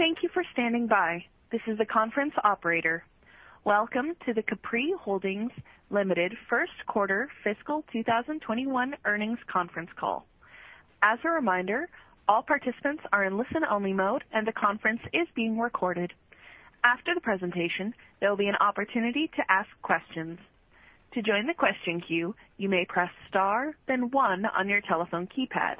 Thank you for standing by. This is the conference operator. Welcome to the Capri Holdings Limited First Quarter Fiscal 2021 Earnings Conference Call. As a reminder, all participants are in listen-only mode, and the conference is being recorded. After the presentation, there will be an opportunity to ask questions. To join the question queue, you may press star then one on your telephone keypad.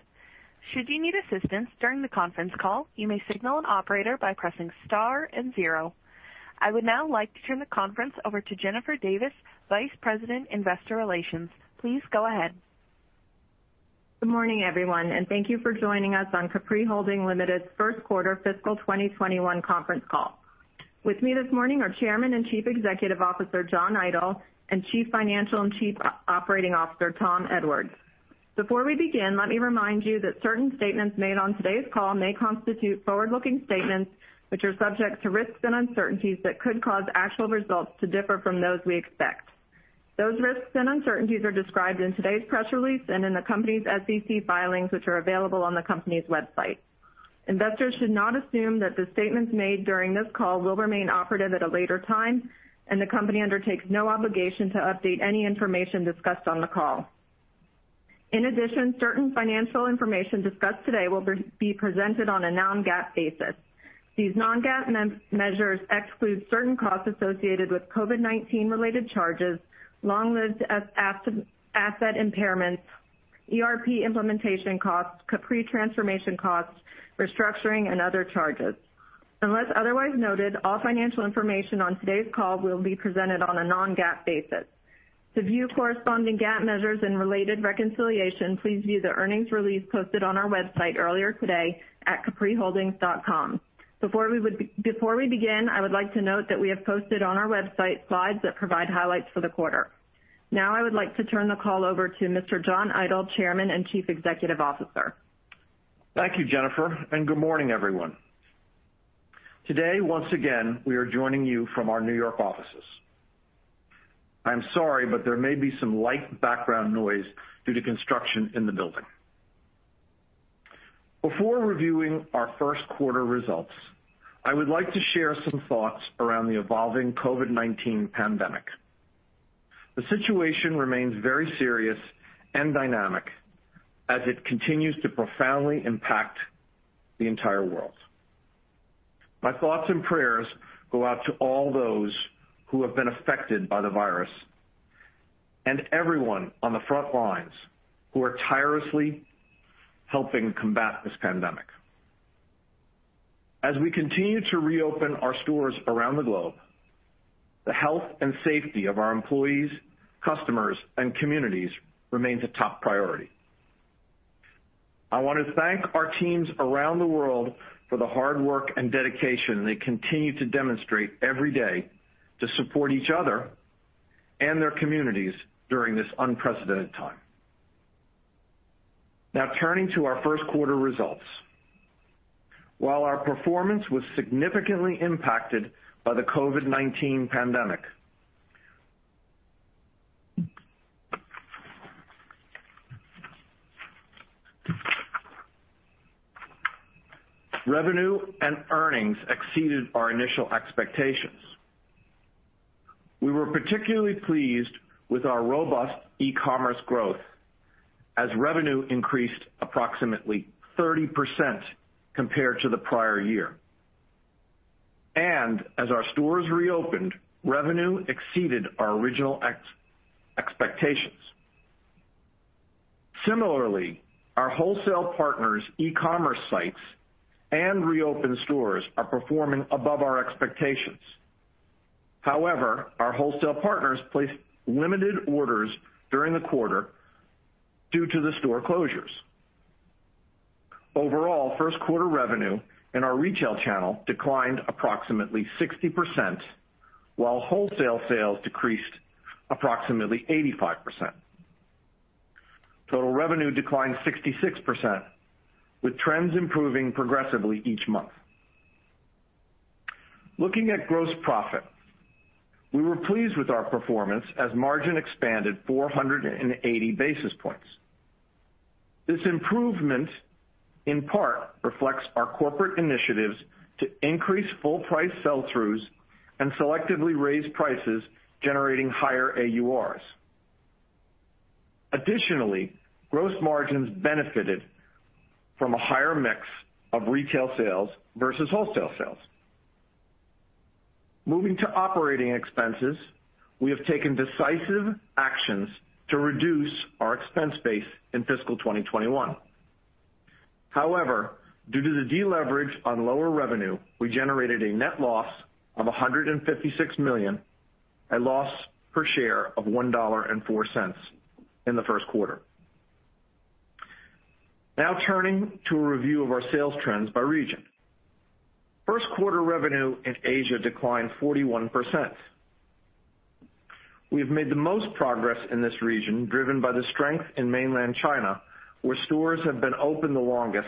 Should you need assistance during the conference call, you may signal an operator by pressing star and zero. I would now like to turn the conference over to Jennifer Davis, Vice President, Investor Relations. Please go ahead. Good morning, everyone, and thank you for joining us on Capri Holdings Limited's first quarter fiscal 2021 conference call. With me this morning are Chairman and Chief Executive Officer, John Idol, and Chief Financial and Chief Operating Officer, Tom Edwards. Before we begin, let me remind you that certain statements made on today's call may constitute forward-looking statements, which are subject to risks and uncertainties that could cause actual results to differ from those we expect. Those risks and uncertainties are described in today's press release and in the company's SEC filings, which are available on the company's website. Investors should not assume that the statements made during this call will remain operative at a later time, and the company undertakes no obligation to update any information discussed on the call. In addition, certain financial information discussed today will be presented on a non-GAAP basis. These non-GAAP measures exclude certain costs associated with COVID-19 related charges, long-lived asset impairments, ERP implementation costs, Capri transformation costs, restructuring, and other charges. Unless otherwise noted, all financial information on today's call will be presented on a non-GAAP basis. To view corresponding GAAP measures and related reconciliation, please view the earnings release posted on our website earlier today at capriholdings.com. Before we begin, I would like to note that we have posted on our website slides that provide highlights for the quarter. Now, I would like to turn the call over to Mr. John Idol, Chairman and Chief Executive Officer. Thank you, Jennifer, and good morning, everyone. Today, once again, we are joining you from our New York offices. I'm sorry, but there may be some light background noise due to construction in the building. Before reviewing our first quarter results, I would like to share some thoughts around the evolving COVID-19 pandemic. The situation remains very serious and dynamic as it continues to profoundly impact the entire world. My thoughts and prayers go out to all those who have been affected by the virus and everyone on the front lines who are tirelessly helping combat this pandemic. As we continue to reopen our stores around the globe, the health and safety of our employees, customers, and communities remains a top priority. I want to thank our teams around the world for the hard work and dedication they continue to demonstrate every day to support each other and their communities during this unprecedented time. Now, turning to our first quarter results. While our performance was significantly impacted by the COVID-19 pandemic, revenue and earnings exceeded our initial expectations. We were particularly pleased with our robust e-commerce growth as revenue increased approximately 30% compared to the prior year. As our stores reopened, revenue exceeded our original expectations. Similarly, our wholesale partners' e-commerce sites and reopened stores are performing above our expectations. However, our wholesale partners placed limited orders during the quarter due to the store closures. Overall, first quarter revenue in our retail channel declined approximately 60%, while wholesale sales decreased approximately 85%. Total revenue declined 66%, with trends improving progressively each month. Looking at gross profit, we were pleased with our performance as margin expanded 480 basis points. This improvement, in part, reflects our corporate initiatives to increase full price sell-throughs and selectively raise prices, generating higher AURs. Gross margins benefited from a higher mix of retail sales versus wholesale sales. Moving to operating expenses, we have taken decisive actions to reduce our expense base in fiscal 2021. Due to the deleverage on lower revenue, we generated a net loss of $156 million, a loss per share of $1.04 in the first quarter. Turning to a review of our sales trends by region. First quarter revenue in Asia declined 41%. We have made the most progress in this region, driven by the strength in mainland China, where stores have been open the longest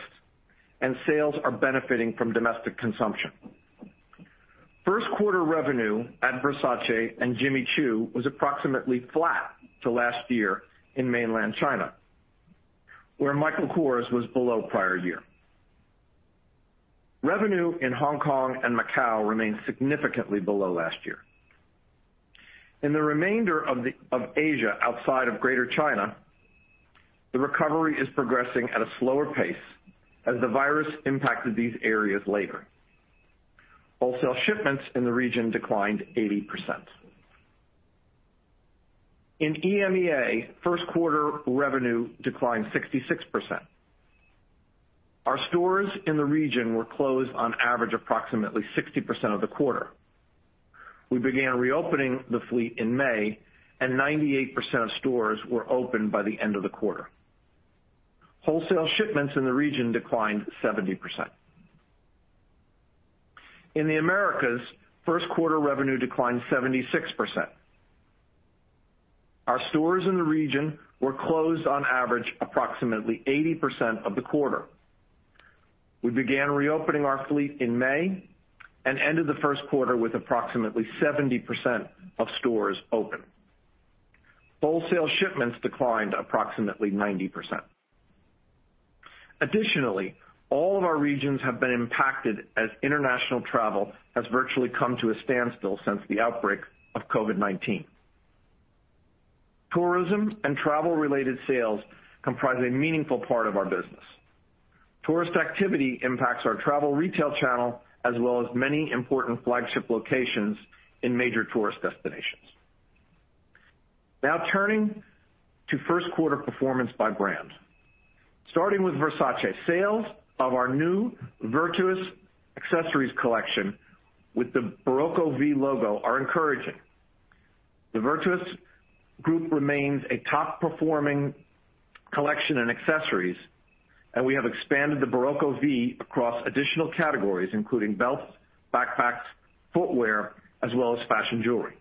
and sales are benefiting from domestic consumption. First quarter revenue at Versace and Jimmy Choo was approximately flat to last year in mainland China, where Michael Kors was below prior year. Revenue in Hong Kong and Macau remains significantly below last year. In the remainder of Asia, outside of greater China, the recovery is progressing at a slower pace as the virus impacted these areas later. Wholesale shipments in the region declined 80%. In EMEA, first quarter revenue declined 66%. Our stores in the region were closed on average approximately 60% of the quarter. We began reopening the fleet in May, and 98% of stores were open by the end of the quarter. Wholesale shipments in the region declined 70%. In the Americas, first quarter revenue declined 76%. Our stores in the region were closed on average approximately 80% of the quarter. We began reopening our fleet in May and ended the first quarter with approximately 70% of stores open. Wholesale shipments declined approximately 90%. Additionally, all of our regions have been impacted as international travel has virtually come to a standstill since the outbreak of COVID-19. Tourism and travel-related sales comprise a meaningful part of our business. Tourist activity impacts our travel retail channel, as well as many important flagship locations in major tourist destinations. Now turning to first quarter performance by brand. Starting with Versace. Sales of our new Virtus accessories collection with the Barocco V logo are encouraging. The Virtus group remains a top-performing collection in accessories, and we have expanded the Barocco V across additional categories, including belts, backpacks, footwear, as well as fashion jewelry.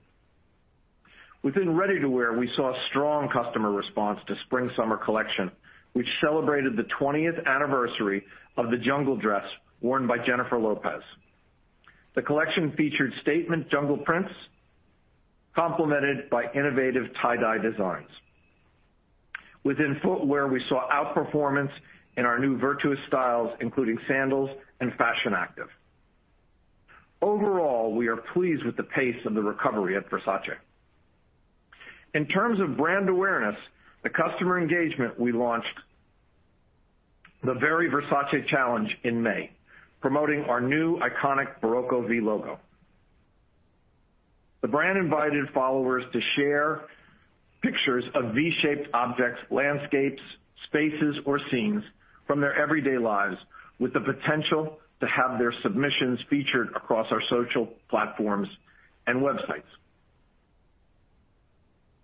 Within ready-to-wear, we saw strong customer response to spring-summer collection, which celebrated the 20th anniversary of the jungle dress worn by Jennifer Lopez. The collection featured statement jungle prints complemented by innovative tie-dye designs. Within footwear, we saw outperformance in our new Virtus styles, including sandals and fashion active. Overall, we are pleased with the pace of the recovery at Versace. In terms of brand awareness, the customer engagement we launched, the Very Versace challenge in May, promoting our new iconic Barocco V logo. The brand invited followers to share pictures of V-shaped objects, landscapes, spaces, or scenes from their everyday lives, with the potential to have their submissions featured across our social platforms and websites.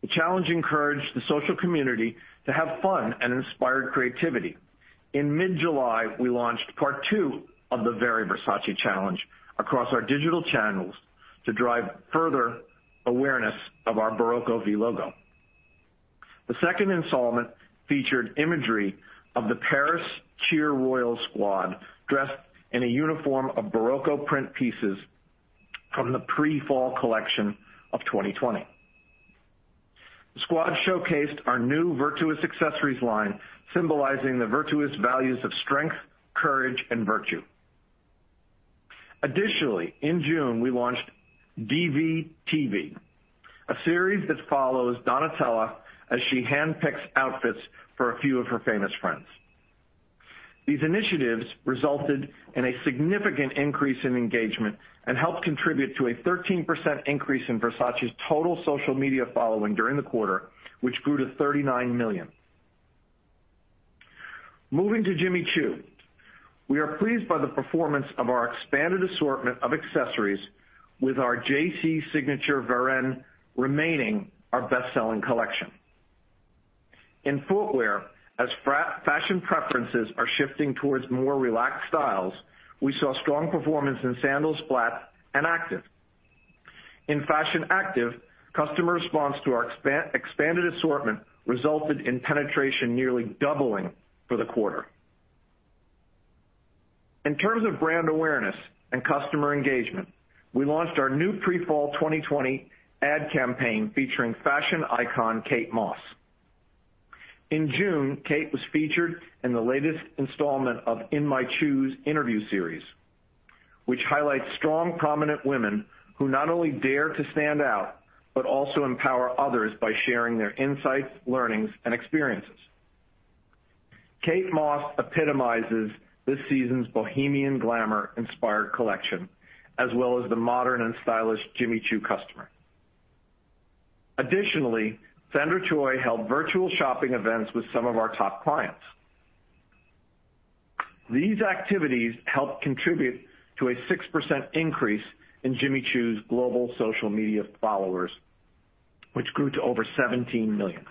The challenge encouraged the social community to have fun and inspired creativity. In mid-July, we launched part two of the Very Versace challenge across our digital channels to drive further awareness of our Barocco V logo. The second installment featured imagery of the Paris Cheer Royal Squad dressed in a uniform of Barocco print pieces from the pre-fall collection of 2020. The squad showcased our new Virtus accessories line, symbolizing the virtuous values of strength, courage, and virtue. Additionally, in June, we launched DVTV, a series that follows Donatella as she handpicks outfits for a few of her famous friends. These initiatives resulted in a significant increase in engagement and helped contribute to a 13% increase in Versace's total social media following during the quarter, which grew to 39 million. Moving to Jimmy Choo. We are pleased by the performance of our expanded assortment of accessories with our JC signature Varenne remaining our best-selling collection. In footwear, as fashion preferences are shifting towards more relaxed styles, we saw strong performance in sandals, flats, and active. In fashion active, customer response to our expanded assortment resulted in penetration nearly doubling for the quarter. In terms of brand awareness and customer engagement, we launched our new pre-fall 2020 ad campaign featuring fashion icon Kate Moss. In June, Kate was featured in the latest installment of In My Choos interview series, which highlights strong, prominent women who not only dare to stand out, but also empower others by sharing their insights, learnings, and experiences. Kate Moss epitomizes this season's bohemian glamour-inspired collection, as well as the modern and stylish Jimmy Choo customer. Additionally, Sandra Choi held virtual shopping events with some of our top clients. These activities helped contribute to a 6% increase in Jimmy Choo's global social media followers, which grew to over 17 million.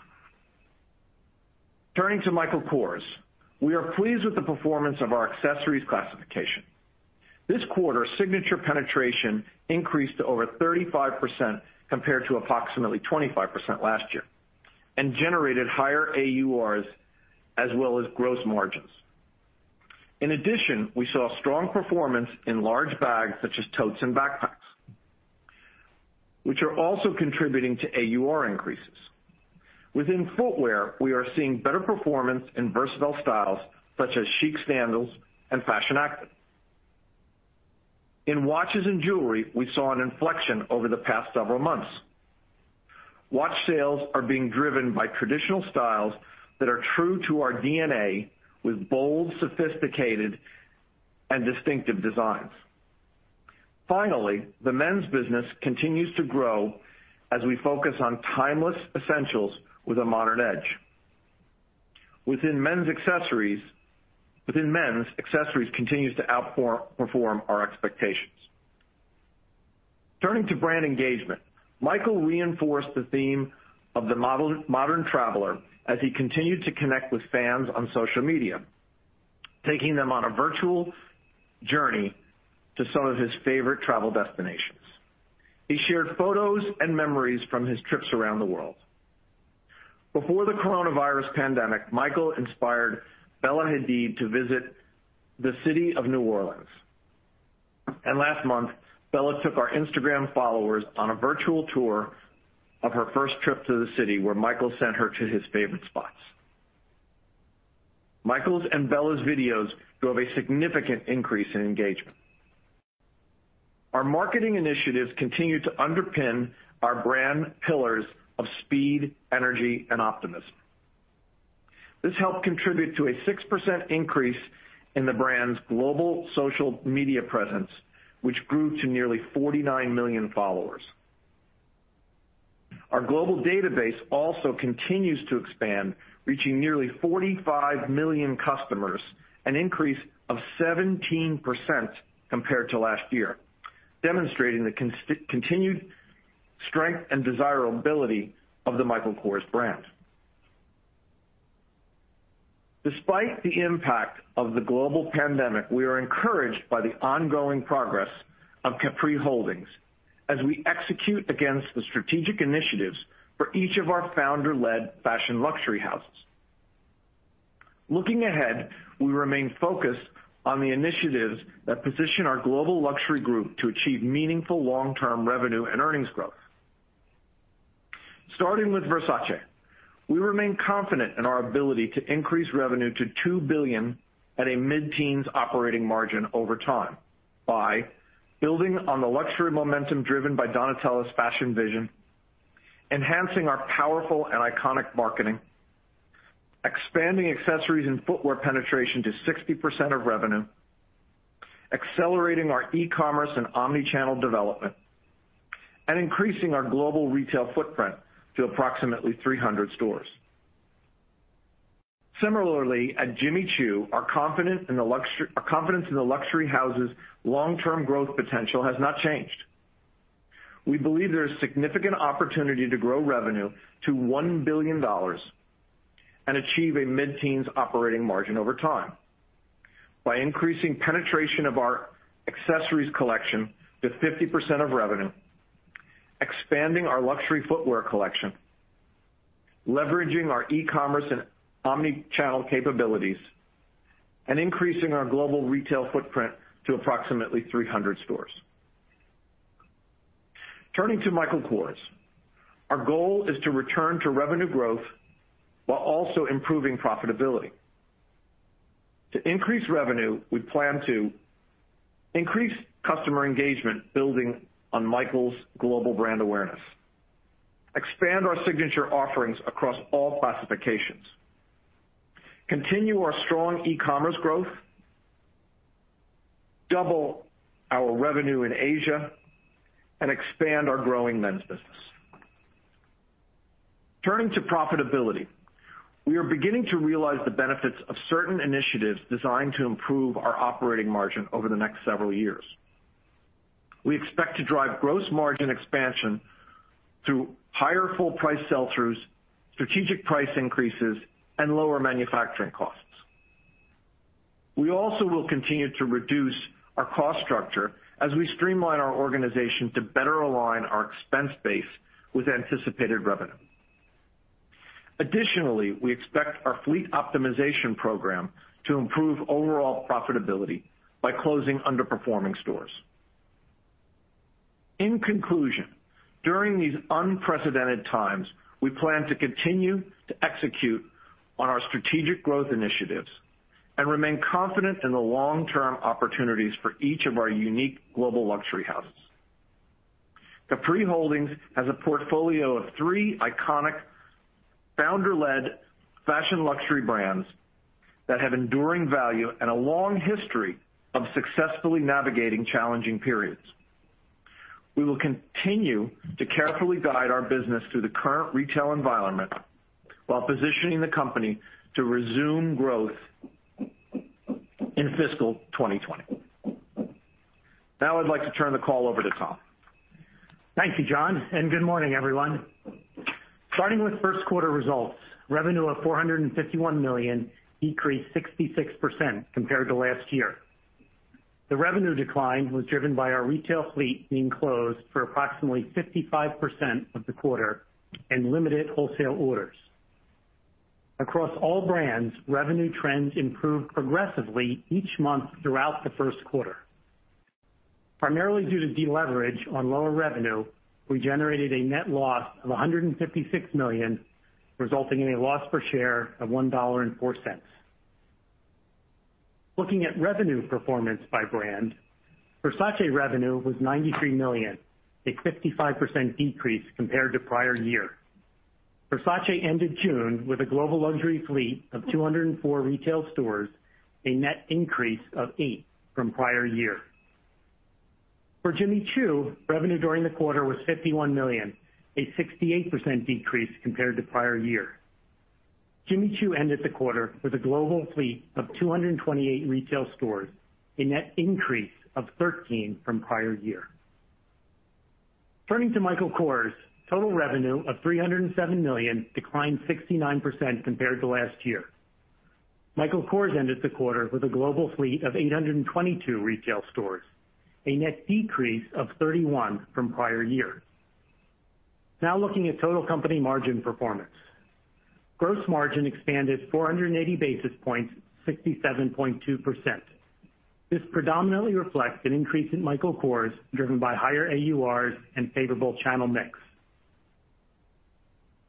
Turning to Michael Kors. We are pleased with the performance of our accessories classification. This quarter, signature penetration increased to over 35% compared to approximately 25% last year, generated higher AURs as well as gross margins. In addition, we saw strong performance in large bags such as totes and backpacks, which are also contributing to AUR increases. Within footwear, we are seeing better performance in versatile styles such as chic sandals and fashion active. In watches and jewelry, we saw an inflection over the past several months. Watch sales are being driven by traditional styles that are true to our DNA with bold, sophisticated, and distinctive designs. Finally, the men's business continues to grow as we focus on timeless essentials with a modern edge. Within men's, accessories continues to outperform our expectations. Turning to brand engagement, Michael reinforced the theme of the modern traveler as he continued to connect with fans on social media, taking them on a virtual journey to some of his favorite travel destinations. He shared photos and memories from his trips around the world. Before the coronavirus pandemic, Michael inspired Bella Hadid to visit the city of New Orleans. Last month, Bella took our Instagram followers on a virtual tour of her first trip to the city where Michael sent her to his favorite spots. Michael's and Bella's videos drove a significant increase in engagement. Our marketing initiatives continue to underpin our brand pillars of speed, energy, and optimism. This helped contribute to a 6% increase in the brand's global social media presence, which grew to nearly 49 million followers. Our global database also continues to expand, reaching nearly 45 million customers, an increase of 17% compared to last year, demonstrating the continued strength and desirability of the Michael Kors brand. Despite the impact of the global pandemic, we are encouraged by the ongoing progress of Capri Holdings as we execute against the strategic initiatives for each of our founder-led fashion luxury houses. Looking ahead, we remain focused on the initiatives that position our global luxury group to achieve meaningful long-term revenue and earnings growth. Starting with Versace, we remain confident in our ability to increase revenue to $2 billion at a mid-teens operating margin over time by building on the luxury momentum driven by Donatella's fashion vision, enhancing our powerful and iconic marketing, expanding accessories and footwear penetration to 60% of revenue, accelerating our e-commerce and omnichannel development, and increasing our global retail footprint to approximately 300 stores. Similarly, at Jimmy Choo, our confidence in the luxury house's long-term growth potential has not changed. We believe there is significant opportunity to grow revenue to $1 billion and achieve a mid-teens operating margin over time by increasing penetration of our accessories collection to 50% of revenue, expanding our luxury footwear collection, leveraging our e-commerce and omnichannel capabilities, and increasing our global retail footprint to approximately 300 stores. Turning to Michael Kors, our goal is to return to revenue growth while also improving profitability. To increase revenue, we plan to increase customer engagement, building on Michael's global brand awareness, expand our signature offerings across all classifications, continue our strong e-commerce growth, double our revenue in Asia, and expand our growing men's business. Turning to profitability, we are beginning to realize the benefits of certain initiatives designed to improve our operating margin over the next several years. We expect to drive gross margin expansion through higher full price sell-throughs, strategic price increases, and lower manufacturing costs. We also will continue to reduce our cost structure as we streamline our organization to better align our expense base with anticipated revenue. Additionally, we expect our fleet optimization program to improve overall profitability by closing underperforming stores. In conclusion, during these unprecedented times, we plan to continue to execute on our strategic growth initiatives and remain confident in the long-term opportunities for each of our unique global luxury houses. Capri Holdings has a portfolio of three iconic founder-led fashion luxury brands that have enduring value and a long history of successfully navigating challenging periods. We will continue to carefully guide our business through the current retail environment while positioning the company to resume growth in fiscal 2020. Now I'd like to turn the call over to Tom. Thank you, John, and good morning, everyone. Starting with first quarter results, revenue of $451 million decreased 66% compared to last year. The revenue decline was driven by our retail fleet being closed for approximately 55% of the quarter and limited wholesale orders. Across all brands, revenue trends improved progressively each month throughout the first quarter. Primarily due to deleverage on lower revenue, we generated a net loss of $156 million, resulting in a loss per share of $1.04. Looking at revenue performance by brand, Versace revenue was $93 million, a 55% decrease compared to prior year. Versace ended June with a global luxury fleet of 204 retail stores, a net increase of eight from prior year. For Jimmy Choo, revenue during the quarter was $51 million, a 68% decrease compared to prior year. Jimmy Choo ended the quarter with a global fleet of 228 retail stores, a net increase of 13 from prior year. Turning to Michael Kors, total revenue of $307 million, declined 69% compared to last year. Michael Kors ended the quarter with a global fleet of 822 retail stores, a net decrease of 31 from prior year. Now looking at total company margin performance. Gross margin expanded 480 basis points, 67.2%. This predominantly reflects an increase in Michael Kors, driven by higher AURs and favorable channel mix.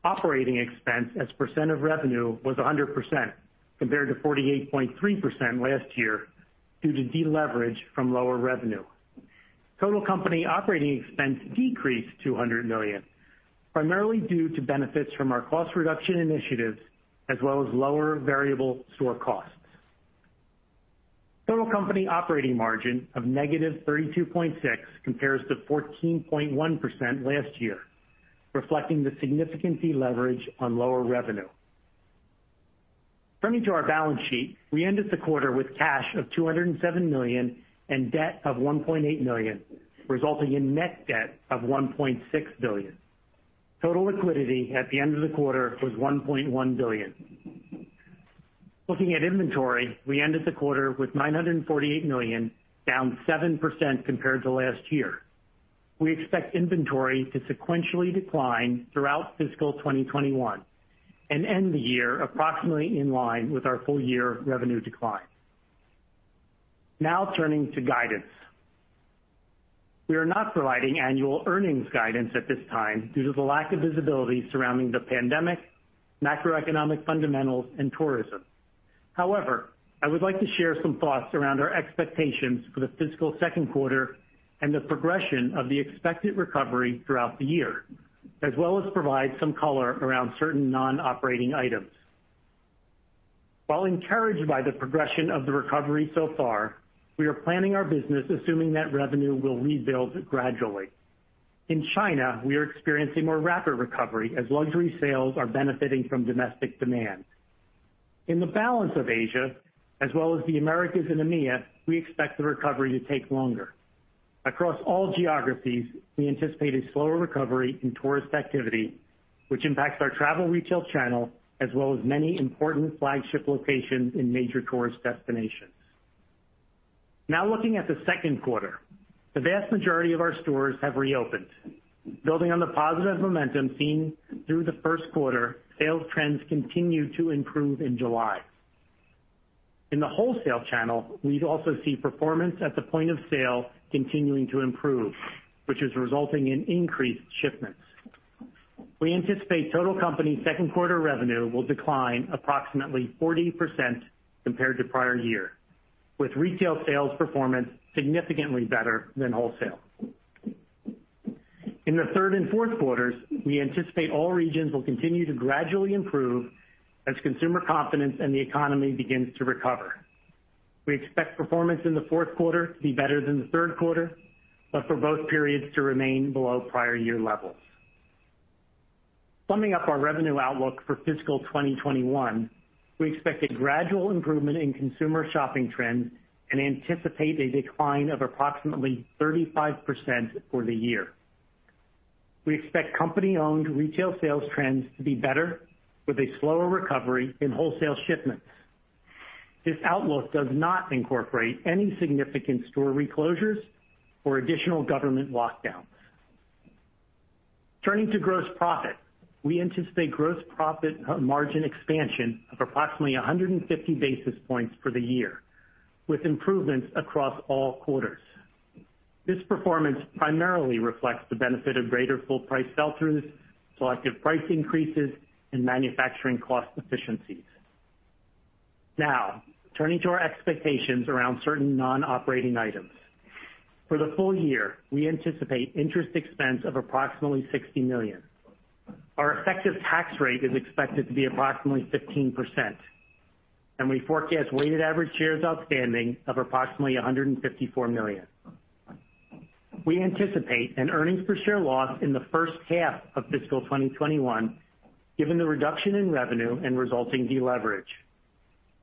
Operating expense as percent of revenue was 100%, compared to 48.3% last year, due to deleverage from lower revenue. Total company operating expense decreased to $100 million, primarily due to benefits from our cost reduction initiatives, as well as lower variable store costs. Total company operating margin of -32.6% compares to 14.1% last year, reflecting the significant deleverage on lower revenue. Turning to our balance sheet, we ended the quarter with cash of $207 million and debt of $1.8 million, resulting in net debt of $1.6 billion. Total liquidity at the end of the quarter was $1.1 billion. Looking at inventory, we ended the quarter with $948 million, down 7% compared to last year. We expect inventory to sequentially decline throughout fiscal 2021, and end the year approximately in line with our full-year revenue decline. Now turning to guidance. We are not providing annual earnings guidance at this time due to the lack of visibility surrounding the pandemic, macroeconomic fundamentals, and tourism. However, I would like to share some thoughts around our expectations for the fiscal second quarter and the progression of the expected recovery throughout the year, as well as provide some color around certain non-operating items. While encouraged by the progression of the recovery so far, we are planning our business assuming that revenue will rebuild gradually. In China, we are experiencing more rapid recovery as luxury sales are benefiting from domestic demand. In the balance of Asia, as well as the Americas and EMEA, we expect the recovery to take longer. Across all geographies, we anticipate a slower recovery in tourist activity, which impacts our travel retail channel, as well as many important flagship locations in major tourist destinations. Now looking at the second quarter. The vast majority of our stores have reopened. Building on the positive momentum seen through the first quarter, sales trends continue to improve in July. In the wholesale channel, we also see performance at the point of sale continuing to improve, which is resulting in increased shipments. We anticipate total company second quarter revenue will decline approximately 40% compared to prior year, with retail sales performance significantly better than wholesale. In the third and fourth quarters, we anticipate all regions will continue to gradually improve as consumer confidence and the economy begins to recover. We expect performance in the fourth quarter to be better than the third quarter, but for both periods to remain below prior year levels. Summing up our revenue outlook for fiscal 2021, we expect a gradual improvement in consumer shopping trends and anticipate a decline of approximately 35% for the year. We expect company-owned retail sales trends to be better with a slower recovery in wholesale shipments. This outlook does not incorporate any significant store reclosures or additional government lockdowns. Turning to gross profit. We anticipate gross profit margin expansion of approximately 150 basis points for the year, with improvements across all quarters. This performance primarily reflects the benefit of greater full price sell-throughs, selective price increases, and manufacturing cost efficiencies. Turning to our expectations around certain non-operating items. For the full year, we anticipate interest expense of approximately $60 million. Our effective tax rate is expected to be approximately 15%, and we forecast weighted average shares outstanding of approximately 154 million. We anticipate an earnings per share loss in the first half of fiscal 2021, given the reduction in revenue and resulting deleverage.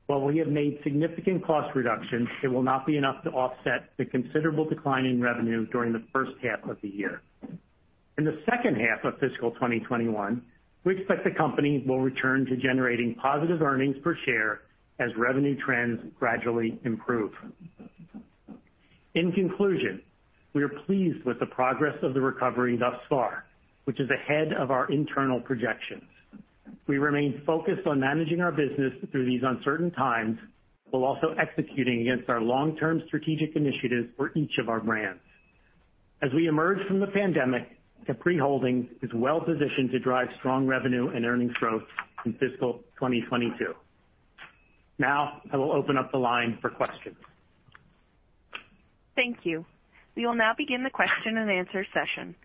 While we have made significant cost reductions, it will not be enough to offset the considerable decline in revenue during the first half of the year. In the second half of fiscal 2021, we expect the company will return to generating positive earnings per share as revenue trends gradually improve. In conclusion, we are pleased with the progress of the recovery thus far, which is ahead of our internal projections. We remain focused on managing our business through these uncertain times, while also executing against our long-term strategic initiatives for each of our brands. As we emerge from the pandemic, Capri Holdings is well-positioned to drive strong revenue and earnings growth in fiscal 2022. Now, I will open up the line for questions. Thank you. We will now begin the question and answer session.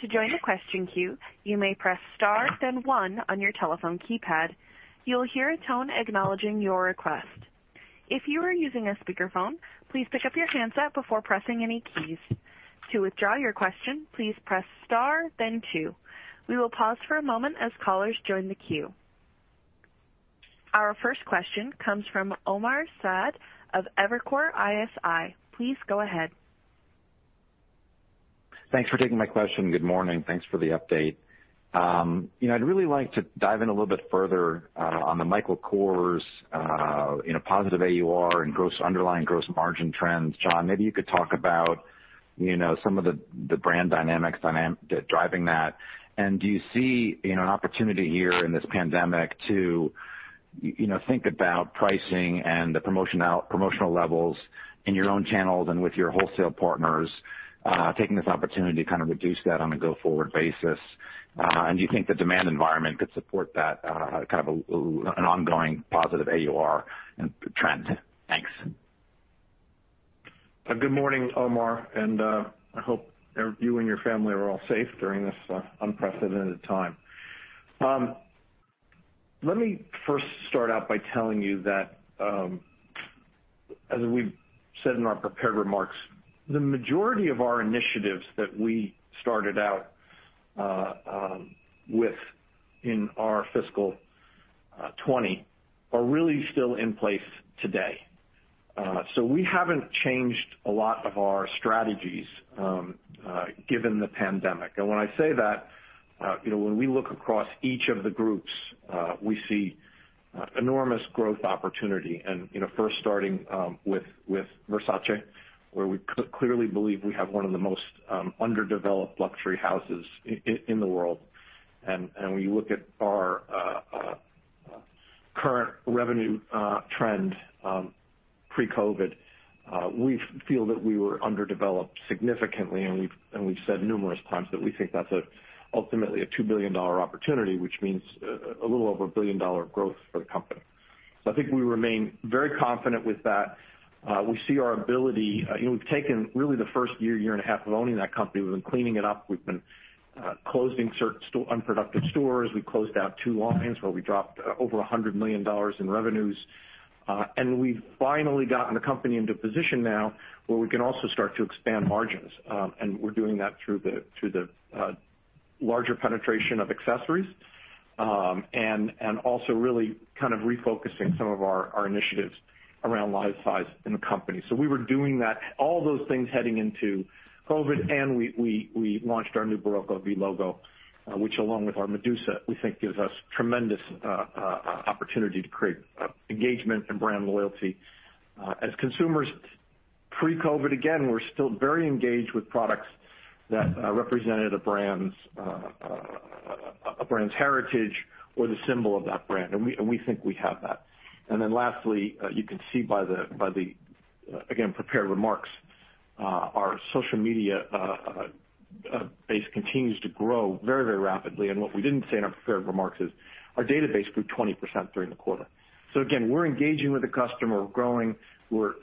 To join the question queue, you may press star then one on your telephone keypad. You'll hear a tone acknowledging your request. If you are using a speakerphone, please pick up your handset before pressing any key. To withdraw your question, please press star then two. We will pause for a moment as callers join the queue. Our first question comes from Omar Saad of Evercore ISI. Please go ahead. Thanks for taking my question. Good morning. Thanks for the update. I'd really like to dive in a little bit further on the Michael Kors positive AUR and underlying gross margin trends. John, maybe you could talk about some of the brand dynamics driving that? Do you see an opportunity here in this pandemic to think about pricing and the promotional levels in your own channels and with your wholesale partners, taking this opportunity to reduce that on a go-forward basis? Do you think the demand environment could support that, an ongoing positive AUR trend? Thanks. Good morning, Omar. I hope you and your family are all safe during this unprecedented time. Let me first start out by telling you that, as we said in our prepared remarks, the majority of our initiatives that we started out with in our fiscal 2020 are really still in place today. We haven't changed a lot of our strategies given the pandemic. When I say that, when we look across each of the groups, we see enormous growth opportunity. First starting with Versace, where we clearly believe we have one of the most underdeveloped luxury houses in the world. When you look at our current revenue trend pre-COVID, we feel that we were underdeveloped significantly, and we've said numerous times that we think that's ultimately a $2 billion opportunity, which means a little over $1 billion of growth for the company. I think we remain very confident with that. We've taken really the first year and a half of owning that company, we've been cleaning it up. We've been closing certain unproductive stores. We closed out two lines where we dropped over $100 million in revenues. We've finally gotten the company into a position now where we can also start to expand margins. We're doing that through the larger penetration of accessories, and also really refocusing some of our initiatives around lifestyle in the company. We were doing that, all those things heading into COVID-19, and we launched our new Barocco V logo, which along with our Medusa, we think gives us tremendous opportunity to create engagement and brand loyalty. As consumers, pre-COVID-19, again, were still very engaged with products that represented a brand's heritage or the symbol of that brand, and we think we have that. Lastly, you can see by the, again, prepared remarks, our social media base continues to grow very rapidly. What we didn't say in our prepared remarks is our database grew 20% during the quarter. Again, we're engaging with the customer. We're growing. We're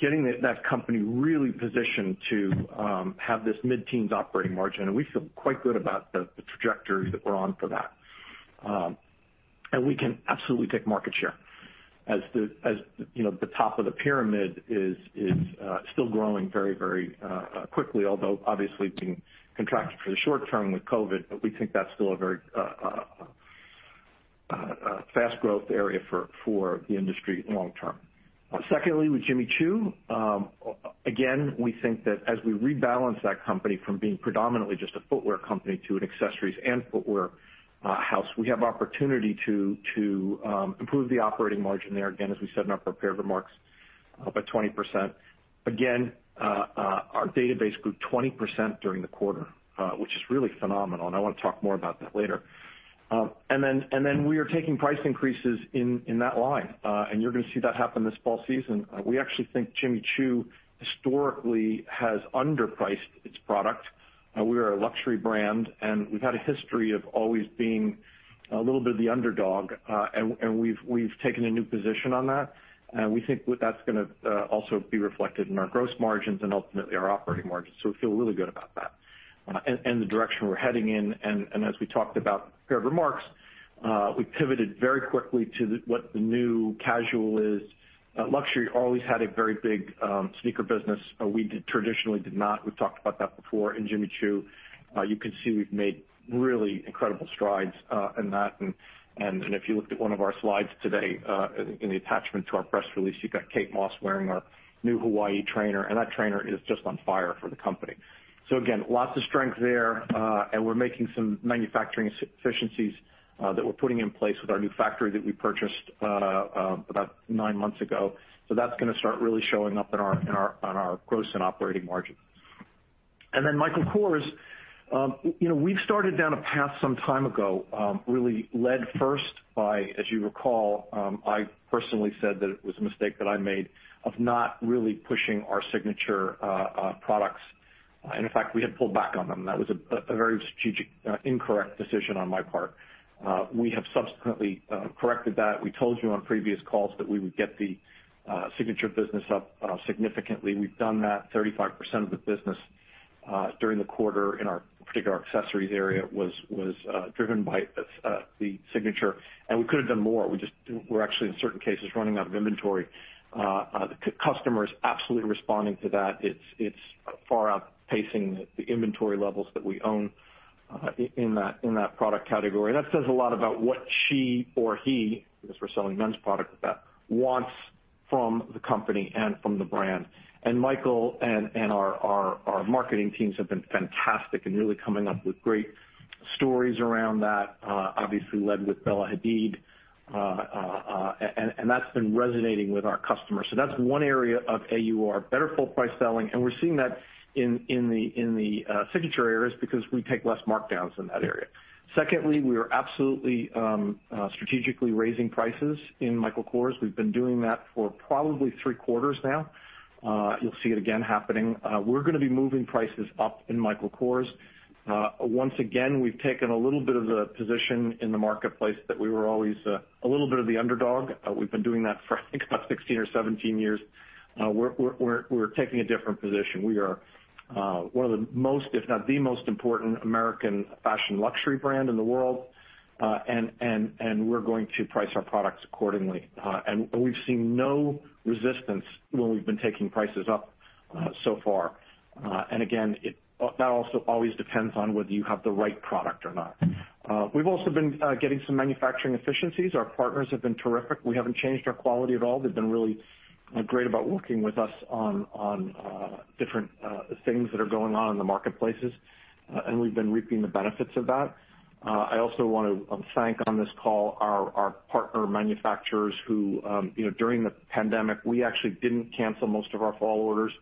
getting that company really positioned to have this mid-teens operating margin, and we feel quite good about the trajectory that we're on for that. We can absolutely take market share. As the top of the pyramid is still growing very quickly, although obviously being contracted for the short term with COVID-19, but we think that's still a very fast growth area for the industry long term. Secondly, with Jimmy Choo, again, we think that as we rebalance that company from being predominantly just a footwear company to an accessories and footwear house, we have opportunity to improve the operating margin there, again, as we said in our prepared remarks, by 20%. Again, our database grew 20% during the quarter, which is really phenomenal, and I want to talk more about that later. We are taking price increases in that line. You're going to see that happen this fall season. We actually think Jimmy Choo historically has underpriced its product. We are a luxury brand, and we've had a history of always being a little bit of the underdog, and we've taken a new position on that. We think that's going to also be reflected in our gross margins and ultimately our operating margins, so we feel really good about that and the direction we're heading in. As we talked about in the prepared remarks, we pivoted very quickly to what the new casual is. Luxury always had a very big sneaker business. We traditionally did not. We've talked about that before. In Jimmy Choo, you can see we've made really incredible strides in that, and if you looked at one of our slides today, in the attachment to our press release, you've got Kate Moss wearing our new Hawaii trainer, and that trainer is just on fire for the company. Again, lots of strength there, and we're making some manufacturing efficiencies that we're putting in place with our new factory that we purchased about nine months ago. That's going to start really showing up on our gross and operating margin. Then Michael Kors. We've started down a path some time ago really led first by, as you recall, I personally said that it was a mistake that I made of not really pushing our signature products. In fact, we had pulled back on them. That was a very strategic incorrect decision on my part. We have subsequently corrected that. We told you on previous calls that we would get the signature business up significantly. We've done that. 35% of the business during the quarter in our particular accessories area was driven by the signature, and we could have done more. We just were actually in certain cases, running out of inventory. The customer is absolutely responding to that. It's far outpacing the inventory levels that we own in that product category. That says a lot about what she or he, because we're selling men's product with that, wants from the company and from the brand. Michael and our marketing teams have been fantastic and really coming up with great stories around that, obviously led with Bella Hadid. That's been resonating with our customers. That's one area of AUR, better full price selling, and we're seeing that in the signature areas because we take less markdowns in that area. Secondly, we are absolutely strategically raising prices in Michael Kors. We've been doing that for probably three quarters now. You'll see it again happening. We're going to be moving prices up in Michael Kors. Once again, we've taken a little bit of the position in the marketplace that we were always a little bit of the underdog. We've been doing that for I think about 16 or 17 years. We're taking a different position. We are one of the most, if not the most important American fashion luxury brand in the world. We're going to price our products accordingly. We've seen no resistance when we've been taking prices up so far. Again, that also always depends on whether you have the right product or not. We've also been getting some manufacturing efficiencies. Our partners have been terrific. We haven't changed our quality at all. They've been really great about working with us on different things that are going on in the marketplaces. We've been reaping the benefits of that. I also want to thank on this call our partner manufacturers who, during the pandemic, we actually didn't cancel most of our fall orders.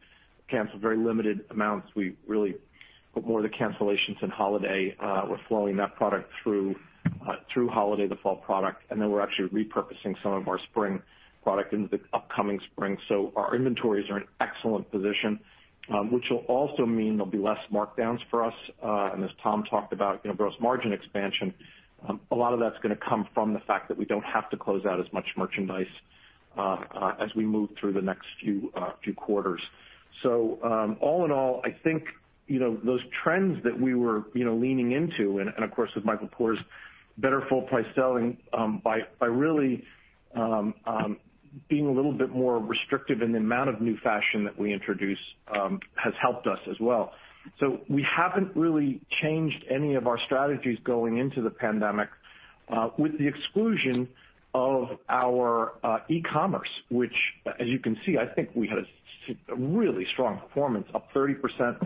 Canceled very limited amounts. We really put more of the cancellations in holiday. We're flowing that product through holiday, the fall product, and then we're actually repurposing some of our spring product into the upcoming spring. Our inventories are in excellent position, which will also mean there'll be less markdowns for us. As Tom talked about gross margin expansion, a lot of that's going to come from the fact that we don't have to close out as much merchandise as we move through the next few quarters. All in all, I think those trends that we were leaning into, and of course with Michael Kors, better full price selling, by really being a little bit more restrictive in the amount of new fashion that we introduce, has helped us as well. We haven't really changed any of our strategies going into the pandemic, with the exclusion of our e-commerce, which, as you can see, I think we had a really strong performance, up 30%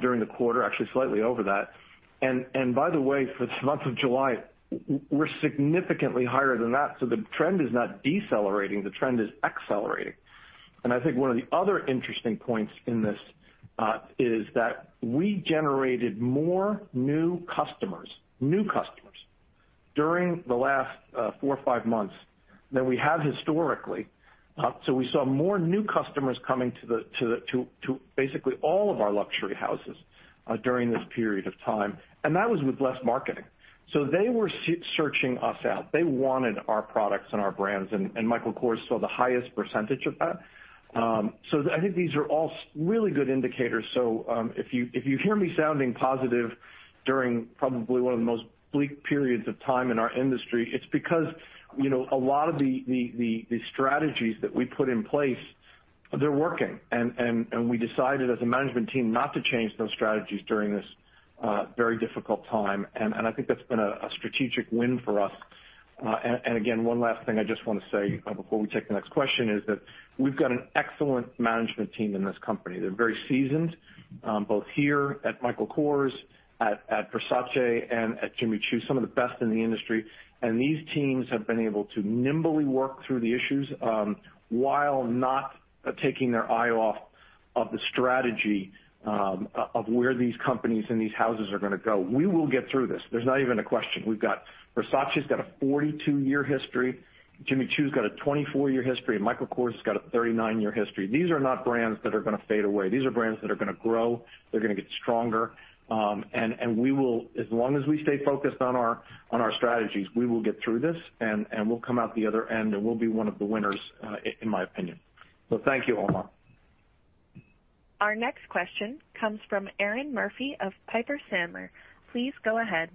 during the quarter, actually slightly over that. By the way, for the month of July, we're significantly higher than that. The trend is not decelerating, the trend is accelerating. I think one of the other interesting points in this is that we generated more new customers during the last four or five months than we have historically. We saw more new customers coming to basically all of our luxury houses during this period of time, and that was with less marketing. They were searching us out. They wanted our products and our brands, and Michael Kors saw the highest percentage of that. I think these are all really good indicators. If you hear me sounding positive during probably one of the most bleak periods of time in our industry, it's because a lot of the strategies that we put in place, they're working. We decided as a management team not to change those strategies during this very difficult time, and I think that's been a strategic win for us. Again, one last thing I just want to say before we take the next question is that we've got an excellent management team in this company. They're very seasoned, both here at Michael Kors, at Versace, and at Jimmy Choo, some of the best in the industry, and these teams have been able to nimbly work through the issues, while not taking their eye off of the strategy of where these companies and these houses are going to go. We will get through this. There's not even a question. Versace's got a 42-year history. Jimmy Choo's got a 24-year history. Michael Kors has got a 39-year history. These are not brands that are going to fade away. These are brands that are going to grow. They're going to get stronger. As long as we stay focused on our strategies, we will get through this, and we'll come out the other end, and we'll be one of the winners, in my opinion. Thank you, Omar. Our next question comes from Erinn Murphy of Piper Sandler. Please go ahead.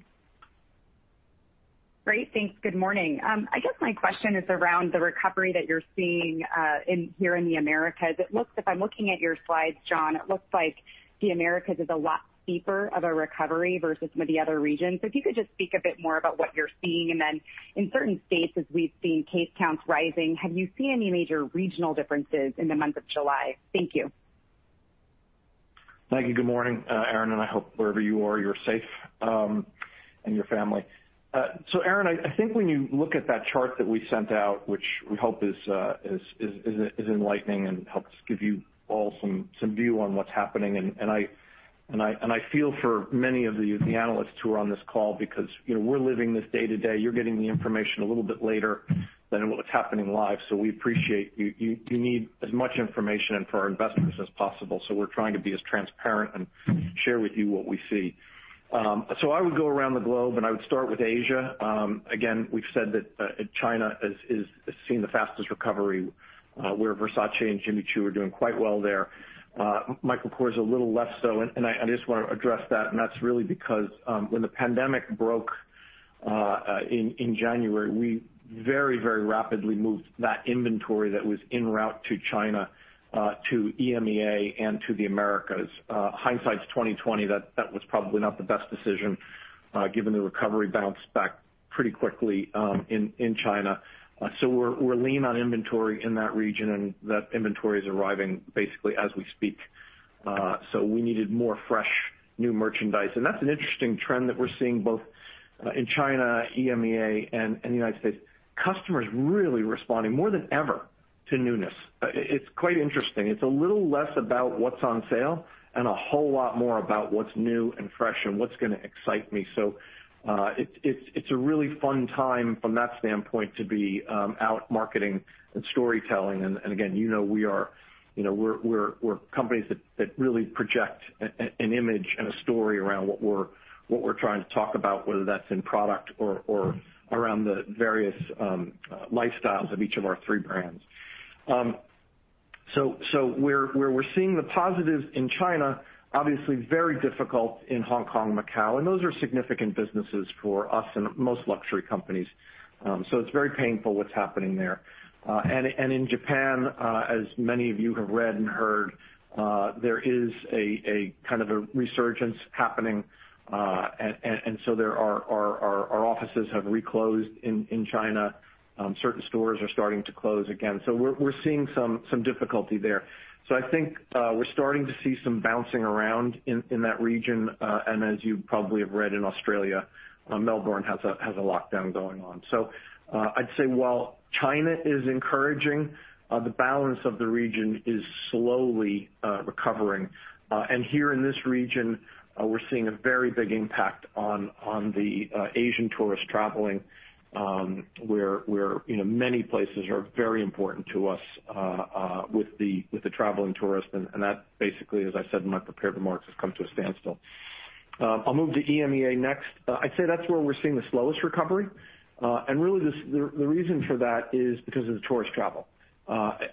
Great. Thanks. Good morning. I guess my question is around the recovery that you're seeing here in the Americas. If I'm looking at your slides, John, it looks like the Americas is a lot deeper of a recovery versus some of the other regions. If you could just speak a bit more about what you're seeing, and then in certain states, as we've seen case counts rising, have you seen any major regional differences in the month of July? Thank you. Thank you. Good morning, Erinn, I hope wherever you are, you're safe. Your family. Erinn, I think when you look at that chart that we sent out, which we hope is enlightening and helps give you all some view on what's happening, and I feel for many of the analysts who are on this call because we're living this day to day. You're getting the information a little bit later than what's happening live. We appreciate you need as much information and for our investors as possible. We're trying to be as transparent and share with you what we see. I would go around the globe and I would start with Asia. Again, we've said that China is seeing the fastest recovery, where Versace and Jimmy Choo are doing quite well there. Michael Kors, a little less so. I just want to address that. That's really because when the pandemic broke in January, we very rapidly moved that inventory that was en route to China to EMEA and to the Americas. Hindsight's 2020. That was probably not the best decision given the recovery bounced back pretty quickly in China. We're lean on inventory in that region. That inventory is arriving basically as we speak. We needed more fresh, new merchandise. That's an interesting trend that we're seeing both in China, EMEA, and in the United States. Customers really responding more than ever to newness. It's quite interesting. It's a little less about what's on sale and a whole lot more about what's new and fresh and what's going to excite me. It's a really fun time from that standpoint to be out marketing and storytelling. Again, you know we're companies that really project an image and a story around what we're trying to talk about, whether that's in product or around the various lifestyles of each of our three brands. Where we're seeing the positives in China, obviously very difficult in Hong Kong, Macau, and those are significant businesses for us and most luxury companies. It's very painful what's happening there. In Japan, as many of you have read and heard, there is a kind of a resurgence happening, and so our offices have reclosed in China. Certain stores are starting to close again. We're seeing some difficulty there. As you probably have read in Australia, Melbourne has a lockdown going on. I'd say while China is encouraging, the balance of the region is slowly recovering. Here in this region, we're seeing a very big impact on the Asian tourist traveling, where many places are very important to us with the traveling tourist, and that basically, as I said in my prepared remarks, has come to a standstill. I'll move to EMEA next. I'd say that's where we're seeing the slowest recovery. Really, the reason for that is because of the tourist travel.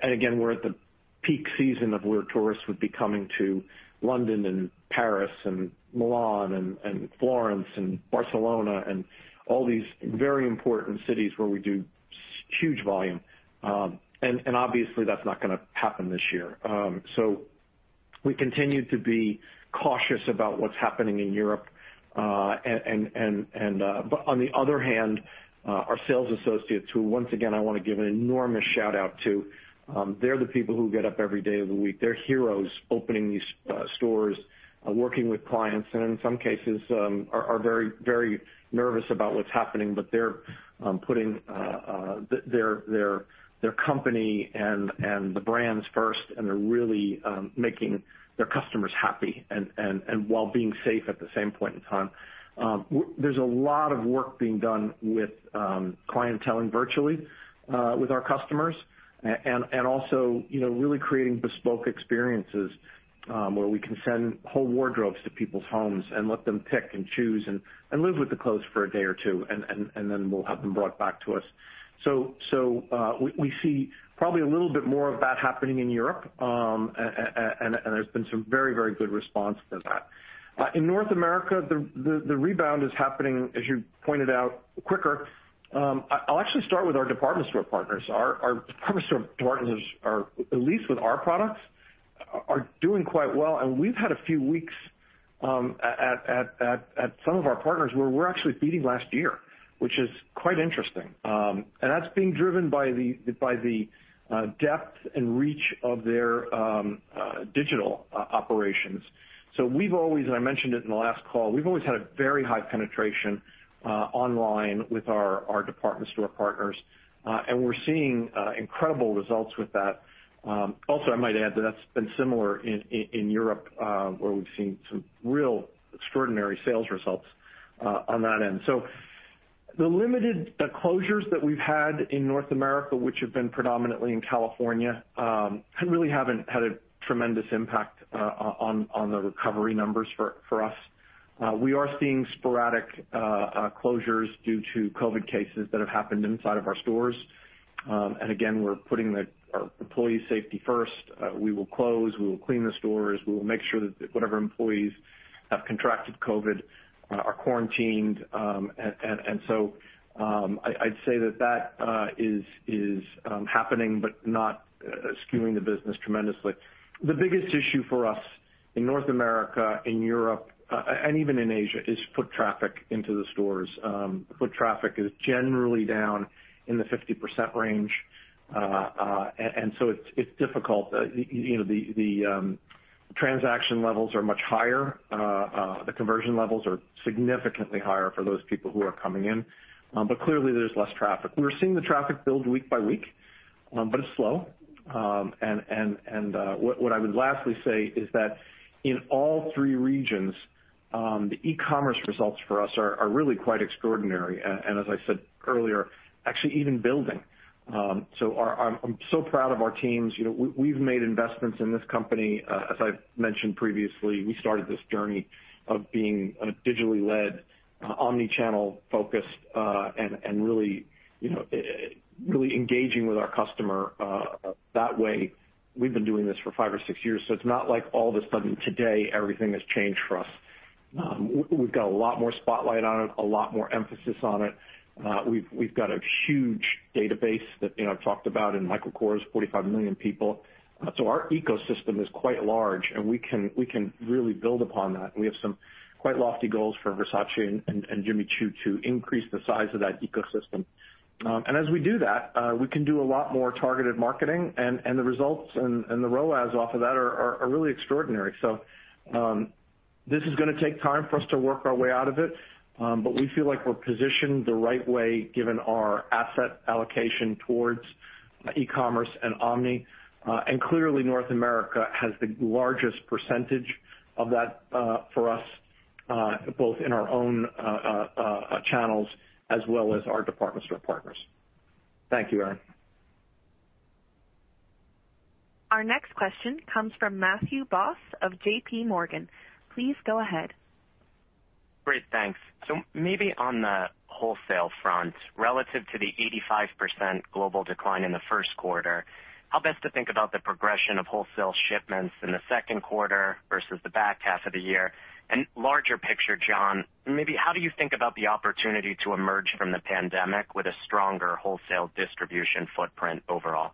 Again, we're at the peak season of where tourists would be coming to London and Paris and Milan and Florence and Barcelona and all these very important cities where we do huge volume. Obviously, that's not going to happen this year. We continue to be cautious about what's happening in Europe. On the other hand, our sales associates, who, once again, I want to give an enormous shout-out to, they're the people who get up every day of the week. They're heroes opening these stores, working with clients, and in some cases, are very nervous about what's happening, but they're putting their company and the brands first, and they're really making their customers happy and while being safe at the same point in time. There's a lot of work being done with clienteling virtually with our customers and also really creating bespoke experiences where we can send whole wardrobes to people's homes and let them pick and choose and live with the clothes for a day or two, and then we'll have them brought back to us. We see probably a little bit more of that happening in Europe, and there's been some very good response to that. In North America, the rebound is happening, as you pointed out, quicker. I'll actually start with our department store partners. Our department store partners are, at least with our products, are doing quite well, and we've had a few weeks at some of our partners where we're actually beating last year, which is quite interesting. That's being driven by the depth and reach of their digital operations. We've always, and I mentioned it in the last call, we've always had a very high penetration online with our department store partners, and we're seeing incredible results with that. Also, I might add that that's been similar in Europe, where we've seen some real extraordinary sales results on that end. The limited closures that we've had in North America, which have been predominantly in California, really haven't had a tremendous impact on the recovery numbers for us. We are seeing sporadic closures due to COVID cases that have happened inside of our stores. Again, we're putting our employee safety first. We will close, we will clean the stores, we will make sure that whatever employees have contracted COVID are quarantined. I'd say that is happening, but not skewing the business tremendously. The biggest issue for us in North America, in Europe, and even in Asia, is foot traffic into the stores. Foot traffic is generally down in the 50% range, and so it's difficult. The transaction levels are much higher. The conversion levels are significantly higher for those people who are coming in. Clearly, there's less traffic. We're seeing the traffic build week by week, but it's slow. What I would lastly say is that in all three regions, the e-commerce results for us are really quite extraordinary, and as I said earlier, actually even building. I'm so proud of our teams. We've made investments in this company. As I've mentioned previously, we started this journey of being a digitally led, omnichannel focused, and really engaging with our customer that way. We've been doing this for five or six years, so it's not like all of a sudden today everything has changed for us. We've got a lot more spotlight on it, a lot more emphasis on it. We've got a huge database that I've talked about in Michael Kors, 45 million people. Our ecosystem is quite large, and we can really build upon that. We have some quite lofty goals for Versace and Jimmy Choo to increase the size of that ecosystem. As we do that, we can do a lot more targeted marketing, and the results and the ROAS off of that are really extraordinary. This is going to take time for us to work our way out of it, but we feel like we're positioned the right way given our asset allocation towards e-commerce and omni. Clearly, North America has the largest percentage of that for us, both in our own channels as well as our department store partners. Thank you, Erinn. Our next question comes from Matthew Boss of JPMorgan. Please go ahead. Great. Thanks. Maybe on the wholesale front, relative to the 85% global decline in the first quarter, how best to think about the progression of wholesale shipments in the second quarter versus the back half of the year? Larger picture, John, maybe how do you think about the opportunity to emerge from the pandemic with a stronger wholesale distribution footprint overall?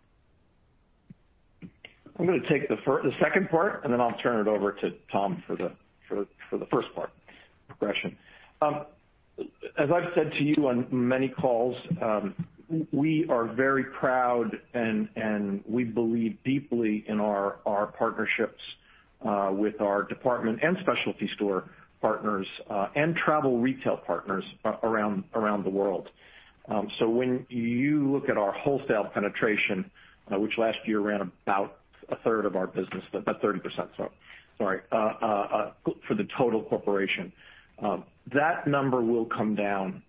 I'm going to take the second part, then I'll turn it over to Tom for the first part, progression. As I've said to you on many calls, we are very proud and we believe deeply in our partnerships with our department and specialty store partners and travel retail partners around the world. When you look at our wholesale penetration, which last year ran about a third of our business, about 30%, sorry, for the total corporation. That number will come down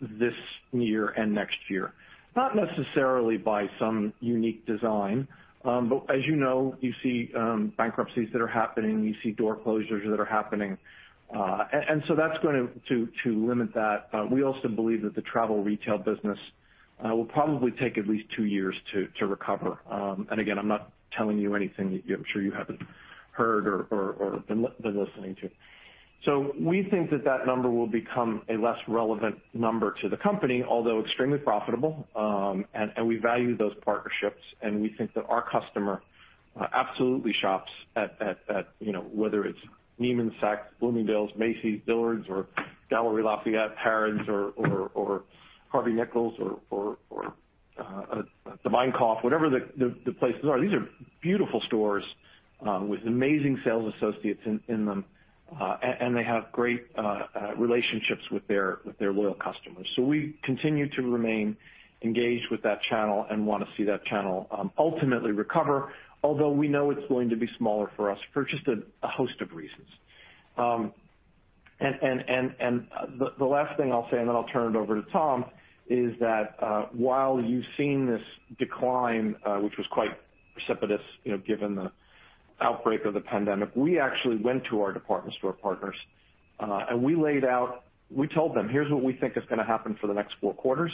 this year and next year. Not necessarily by some unique design. As you know, you see bankruptcies that are happening, you see door closures that are happening. That's going to limit that. We also believe that the travel retail business will probably take at least two years to recover. Again, I'm not telling you anything that I'm sure you haven't heard or been listening to. We think that that number will become a less relevant number to the company, although extremely profitable, and we value those partnerships, and we think that our customer absolutely shops at, whether it's Neiman Marcus, Bloomingdale's, Macy's, Dillard's or Galeries Lafayette, Harrods or Harvey Nichols or De Bijenkorf, whatever the places are. These are beautiful stores with amazing sales associates in them. They have great relationships with their loyal customers. We continue to remain engaged with that channel and want to see that channel ultimately recover. Although we know it's going to be smaller for us for just a host of reasons. The last thing I'll say, and then I'll turn it over to Tom, is that while you've seen this decline which was quite precipitous given the outbreak of the pandemic. We actually went to our department store partners. We told them, "Here's what we think is going to happen for the next four quarters.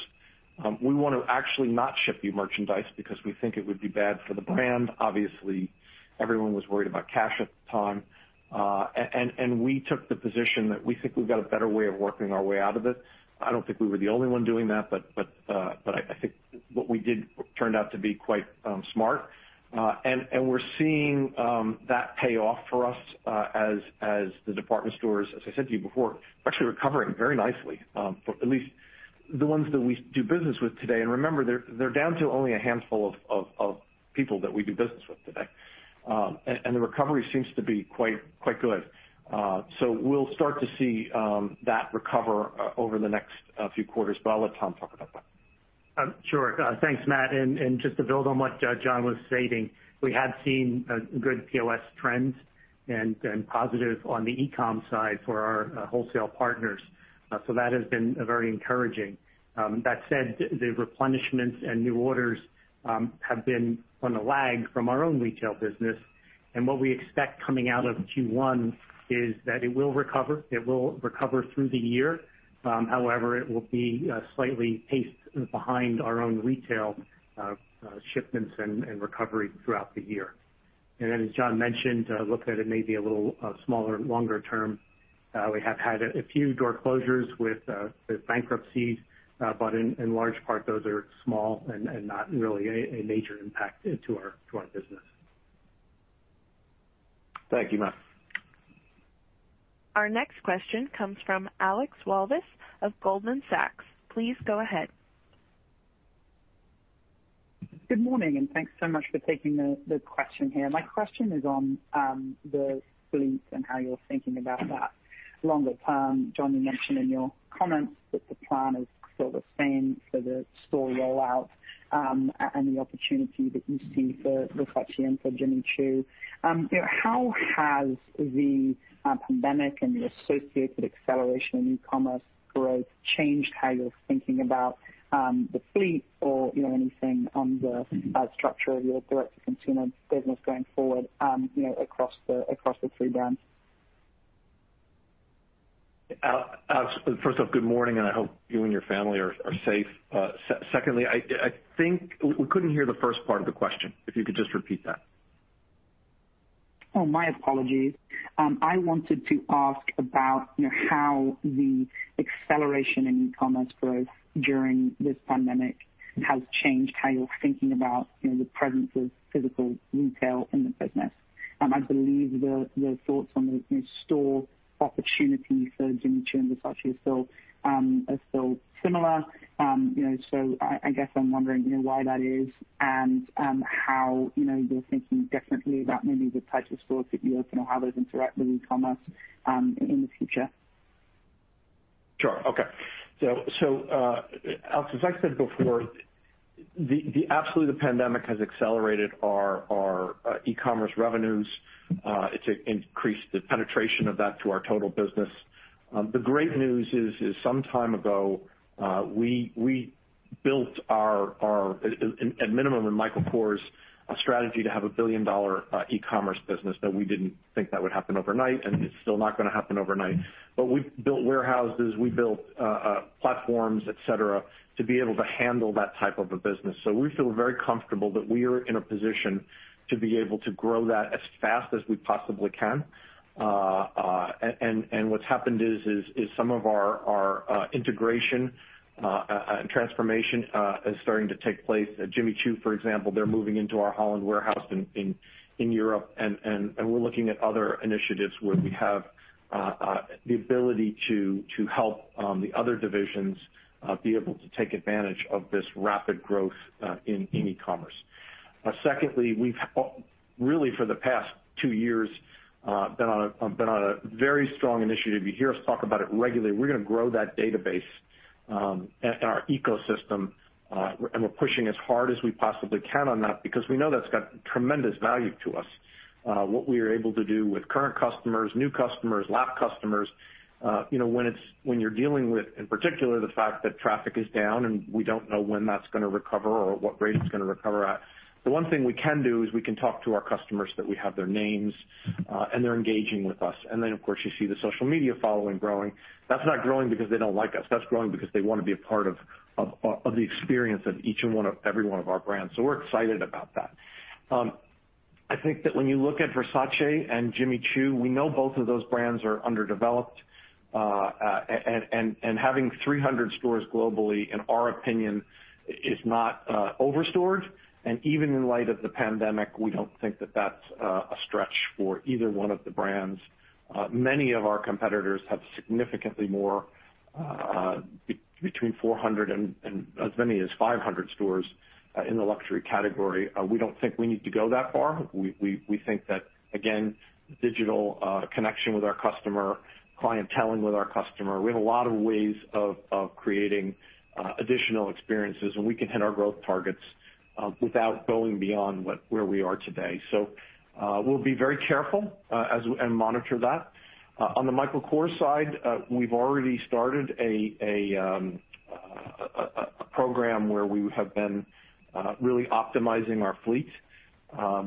We want to actually not ship you merchandise because we think it would be bad for the brand." Obviously, everyone was worried about cash at the time. We took the position that we think we've got a better way of working our way out of it. I don't think we were the only one doing that, but I think what we did turned out to be quite smart. We're seeing that pay off for us as the department stores, as I said to you before, actually recovering very nicely. At least the ones that we do business with today. Remember, they're down to only a handful of people that we do business with today. The recovery seems to be quite good. We'll start to see that recover over the next few quarters, but I'll let Tom talk about that. Sure. Thanks, Matt. Just to build on what John was stating, we have seen good POS trends and positive on the e-com side for our wholesale partners. That has been very encouraging. That said, the replenishments and new orders have been on the lag from our own retail business, and what we expect coming out of Q1 is that it will recover. It will recover through the year. However, it will be slightly paced behind our own retail shipments and recovery throughout the year. As John mentioned, look at it maybe a little smaller longer term. We have had a few door closures with the bankruptcies, but in large part, those are small and not really a major impact to our business. Thank you, Matt. Our next question comes from Alex Walvis of Goldman Sachs. Please go ahead. Good morning, and thanks so much for taking the question here. My question is on the fleet and how you're thinking about that longer term. John, you mentioned in your comments that the plan is still the same for the store rollout, and the opportunity that you see for Versace and for Jimmy Choo. How has the pandemic and the associated acceleration in e-commerce growth changed how you're thinking about the fleet or anything on the structure of your direct-to-consumer business going forward across the three brands? Alex, first off, good morning, and I hope you and your family are safe. Secondly, I think we couldn't hear the first part of the question, if you could just repeat that. Oh, my apologies. I wanted to ask about how the acceleration in e-commerce growth during this pandemic has changed how you're thinking about the presence of physical retail in the business. I believe your thoughts on the store opportunities for Jimmy Choo and Versace are still similar. I guess I'm wondering why that is and how you're thinking differently about maybe the types of stores that you open or how those interact with e-commerce in the future. Sure. Okay. Alex, as I said before, absolutely the pandemic has accelerated our e-commerce revenues. It's increased the penetration of that to our total business. The great news is, some time ago, we built our, at minimum in Michael Kors, a strategy to have a billion-dollar e-commerce business. We didn't think that would happen overnight, and it's still not going to happen overnight. We've built warehouses, we built platforms, et cetera, to be able to handle that type of a business. We feel very comfortable that we are in a position to be able to grow that as fast as we possibly can. What's happened is some of our integration and transformation is starting to take place. At Jimmy Choo, for example, they're moving into our Holland warehouse in Europe, and we're looking at other initiatives where we have the ability to help the other divisions be able to take advantage of this rapid growth in e-commerce. Secondly, we've really for the past two years been on a very strong initiative. You hear us talk about it regularly. We're going to grow that database and our ecosystem, and we're pushing as hard as we possibly can on that because we know that's got tremendous value to us. What we are able to do with current customers, new customers, lapsed customers. When you're dealing with, in particular, the fact that traffic is down and we don't know when that's going to recover or what rate it's going to recover at, the one thing we can do is we can talk to our customers, that we have their names, and they're engaging with us. Of course, you see the social media following growing. That's not growing because they don't like us. That's growing because they want to be a part of the experience of every one of our brands. We're excited about that. I think that when you look at Versace and Jimmy Choo, we know both of those brands are underdeveloped. Having 300 stores globally, in our opinion, is not over-stored. Even in light of the pandemic, we don't think that that's a stretch for either one of the brands. Many of our competitors have significantly more, between 400 and as many as 500 stores in the luxury category. We don't think we need to go that far. We think that, again, digital connection with our customer, clienteling with our customer. We have a lot of ways of creating additional experiences, and we can hit our growth targets without going beyond where we are today. We'll be very careful and monitor that. On the Michael Kors side, we've already started a program where we have been really optimizing our fleet. I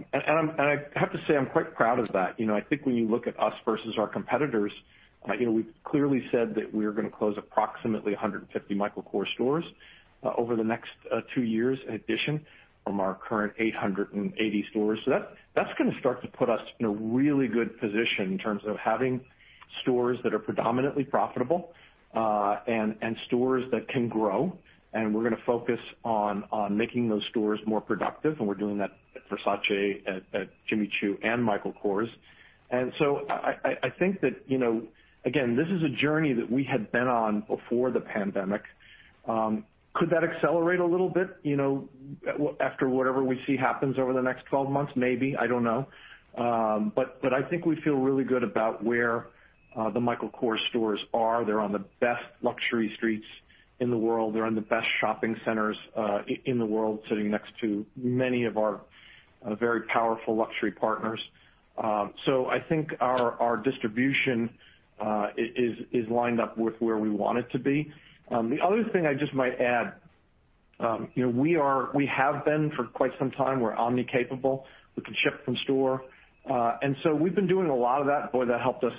have to say, I'm quite proud of that. I think when you look at us versus our competitors, we've clearly said that we are going to close approximately 150 Michael Kors stores over the next two years in addition from our current 880 stores. That's going to start to put us in a really good position in terms of having stores that are predominantly profitable, and stores that can grow. We're going to focus on making those stores more productive, and we're doing that at Versace, at Jimmy Choo, and Michael Kors. I think that, again, this is a journey that we had been on before the pandemic. Could that accelerate a little bit after whatever we see happens over the next 12 months? Maybe. I don't know. I think we feel really good about where the Michael Kors stores are. They're on the best luxury streets in the world. They're on the best shopping centers in the world, sitting next to many of our very powerful luxury partners. I think our distribution is lined up with where we want it to be. The other thing I just might add, we have been for quite some time, we're omni capable. We can ship from store. We've been doing a lot of that. Boy, that helped us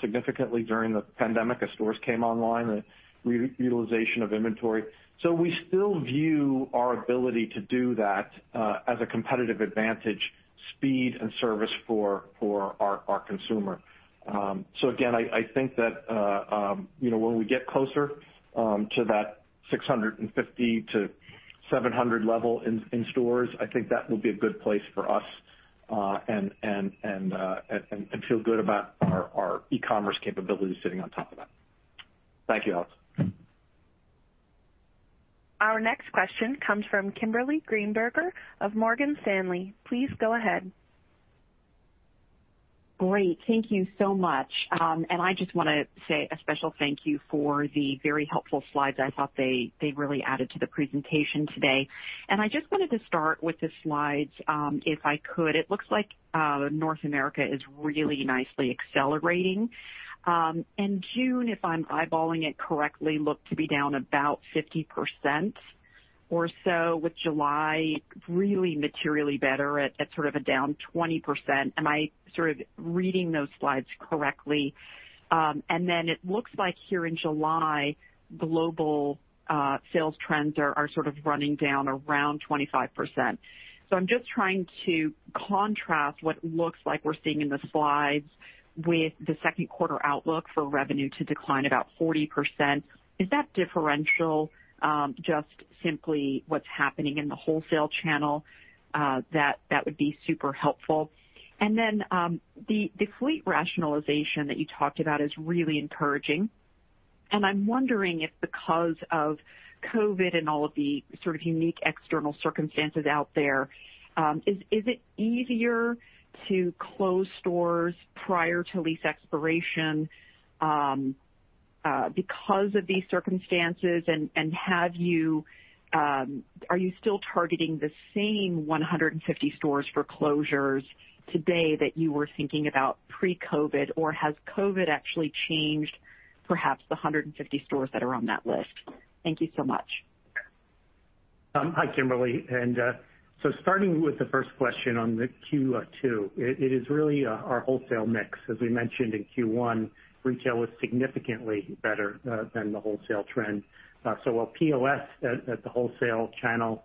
significantly during the pandemic as stores came online, the utilization of inventory. We still view our ability to do that as a competitive advantage speed and service for our consumer. Again, I think that when we get closer to that 650-700 level in stores, I think that will be a good place for us, and feel good about our e-commerce capabilities sitting on top of that. Thank you, Alex. Our next question comes from Kimberly Greenberger of Morgan Stanley. Please go ahead. Great. Thank you so much. I just want to say a special thank you for the very helpful slides. I thought they really added to the presentation today. I just wanted to start with the slides, if I could. It looks like North America is really nicely accelerating. June, if I'm eyeballing it correctly, looked to be down about 50% or so, with July really materially better at sort of a down 20%. Am I reading those slides correctly? Then it looks like here in July, global sales trends are sort of running down around 25%. I'm just trying to contrast what looks like we're seeing in the slides with the second quarter outlook for revenue to decline about 40%. Is that differential just simply what's happening in the wholesale channel? That would be super helpful. The fleet rationalization that you talked about is really encouraging. I'm wondering if, because of COVID and all of the sort of unique external circumstances out there, is it easier to close stores prior to lease expiration because of these circumstances? Are you still targeting the same 150 stores for closures today that you were thinking about pre-COVID, or has COVID actually changed perhaps the 150 stores that are on that list? Thank you so much. Hi, Kimberly. Starting with the first question on the Q2, it is really our wholesale mix. As we mentioned in Q1, retail was significantly better than the wholesale trend. While POS at the wholesale channel